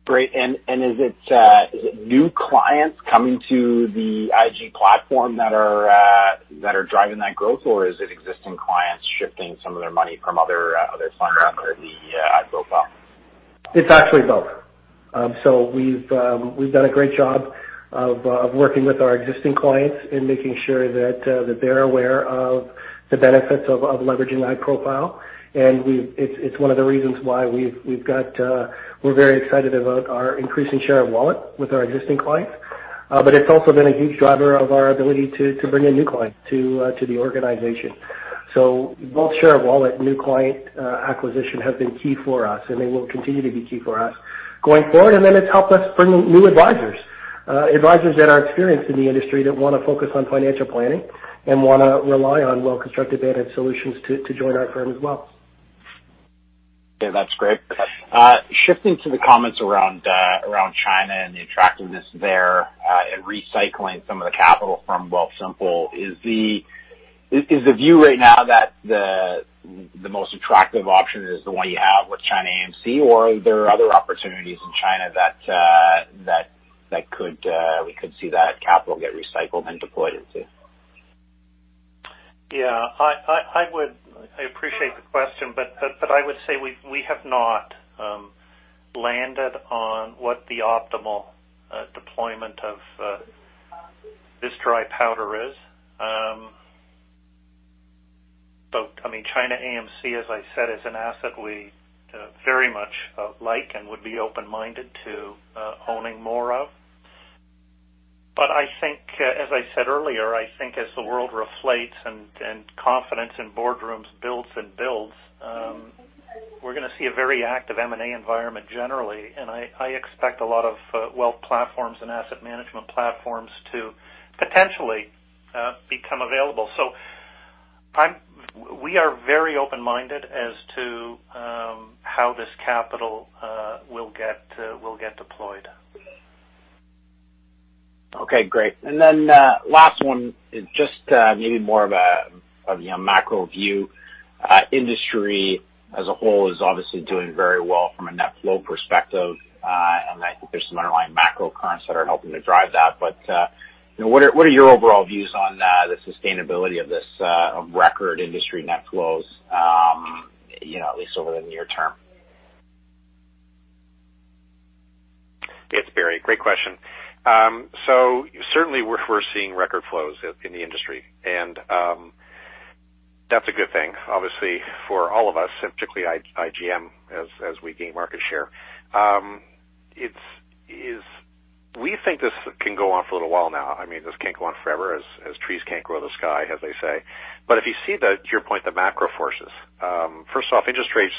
Great. And is it new clients coming to the IG platform that are driving that growth, or is it existing clients shifting some of their money from other funds under the iProfile? It's actually both. So we've done a great job of working with our existing clients in making sure that they're aware of the benefits of leveraging iProfile. And it's one of the reasons why we've got, we're very excited about our increasing share of wallet with our existing clients. But it's also been a huge driver of our ability to bring in new clients to the organization. So both share of wallet, new client acquisition have been key for us, and they will continue to be key for us going forward. And then it's helped us bring in new advisors, advisors that are experienced in the industry that want to focus on financial planning and want to rely on well-constructed managed solutions to join our firm as well. Yeah, that's great. Shifting to the comments around China and the attractiveness there, and recycling some of the capital from Wealthsimple. Is the view right now that the most attractive option is the one you have with ChinaAMC, or are there other opportunities in China that we could see that capital get recycled and deployed into? Yeah, I would—I appreciate the question, but I would say we have not landed on what the optimal deployment of this dry powder is. But I mean, ChinaAMC, as I said, is an asset we very much like and would be open-minded to owning more of. But I think, as I said earlier, I think as the world reflates and confidence in boardrooms builds and builds, we're gonna see a very active M&A environment generally, and I expect a lot of wealth platforms and asset management platforms to potentially become available. So we are very open-minded as to how this capital will get deployed. Okay, great. And then, last one is just maybe more of a you know macro view. Industry as a whole is obviously doing very well from a net flow perspective, and I think there's some underlying macro currents that are helping to drive that. But you know, what are your overall views on the sustainability of this record industry net flows, you know, at least over the near term? It's Barry. Great question. So certainly we're seeing record flows in the industry, and that's a good thing, obviously, for all of us, and particularly IGM as we gain market share. It's... We think this can go on for a little while now. I mean, this can't go on forever, as trees can't grow the sky, as they say. But if you see, to your point, the macro forces, first off, interest rates,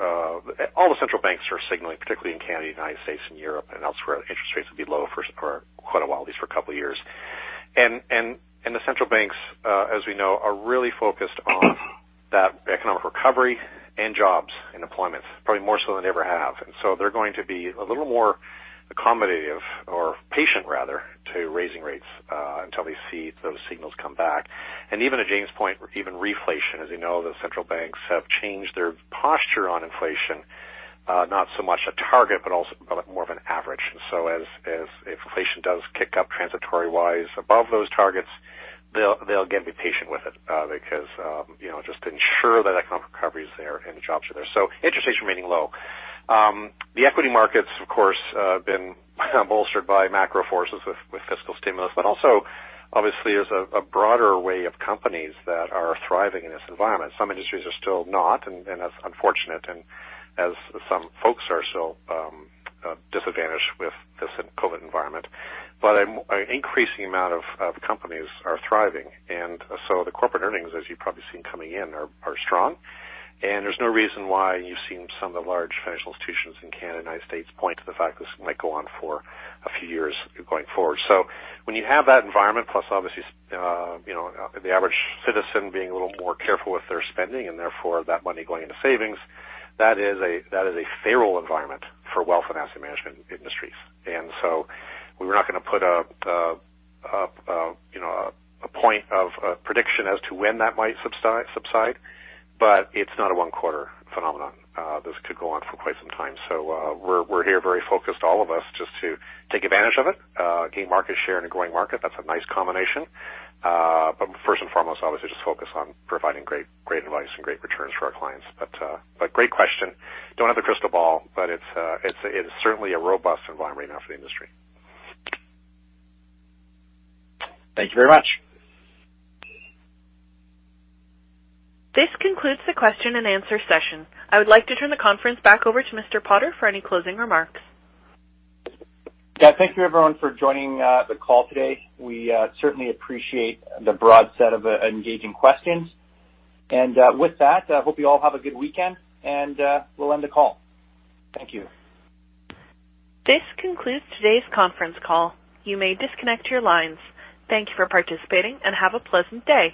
all the central banks are signaling, particularly in Canada, United States, and Europe and elsewhere, interest rates will be low for quite a while, at least for a couple of years. And the central banks, as we know, are really focused on that economic recovery and jobs and employment, probably more so than they ever have. They're going to be a little more accommodative, or patient rather, to raising rates until they see those signals come back. Even to James' point, even reflation, as you know, the central banks have changed their posture on inflation, not so much a target, but also more of an average. So as inflation does kick up transitory-wise above those targets, they'll again be patient with it because, you know, just to ensure that economic recovery is there and the jobs are there. So interest rates remaining low. The equity markets, of course, been bolstered by macro forces with fiscal stimulus, but also, obviously, there's a broader way of companies that are thriving in this environment. Some industries are still not, and that's unfortunate, and as some folks are so disadvantaged with this in COVID environment. But, an increasing amount of companies are thriving, and so the corporate earnings, as you've probably seen coming in, are strong. And there's no reason why you've seen some of the large financial institutions in Canada and United States point to the fact this might go on for a few years going forward. So when you have that environment, plus obviously, you know, the average citizen being a little more careful with their spending and therefore that money going into savings, that is a fertile environment for wealth and asset management industries. And so we're not gonna put you know a point of prediction as to when that might subside, but it's not a one quarter phenomenon. This could go on for quite some time. So, we're here very focused, all of us, just to take advantage of it, gain market share in a growing market. That's a nice combination. But first and foremost, obviously, just focus on providing great advice and great returns for our clients. But great question. Don't have a crystal ball, but it's certainly a robust environment right now for the industry. Thank you very much. This concludes the question and answer session. I would like to turn the conference back over to Mr. Potter for any closing remarks. Yeah, thank you, everyone, for joining the call today. We certainly appreciate the broad set of engaging questions. And, with that, I hope you all have a good weekend, and we'll end the call. Thank you. This concludes today's conference call. You may disconnect your lines. Thank you for participating, and have a pleasant day.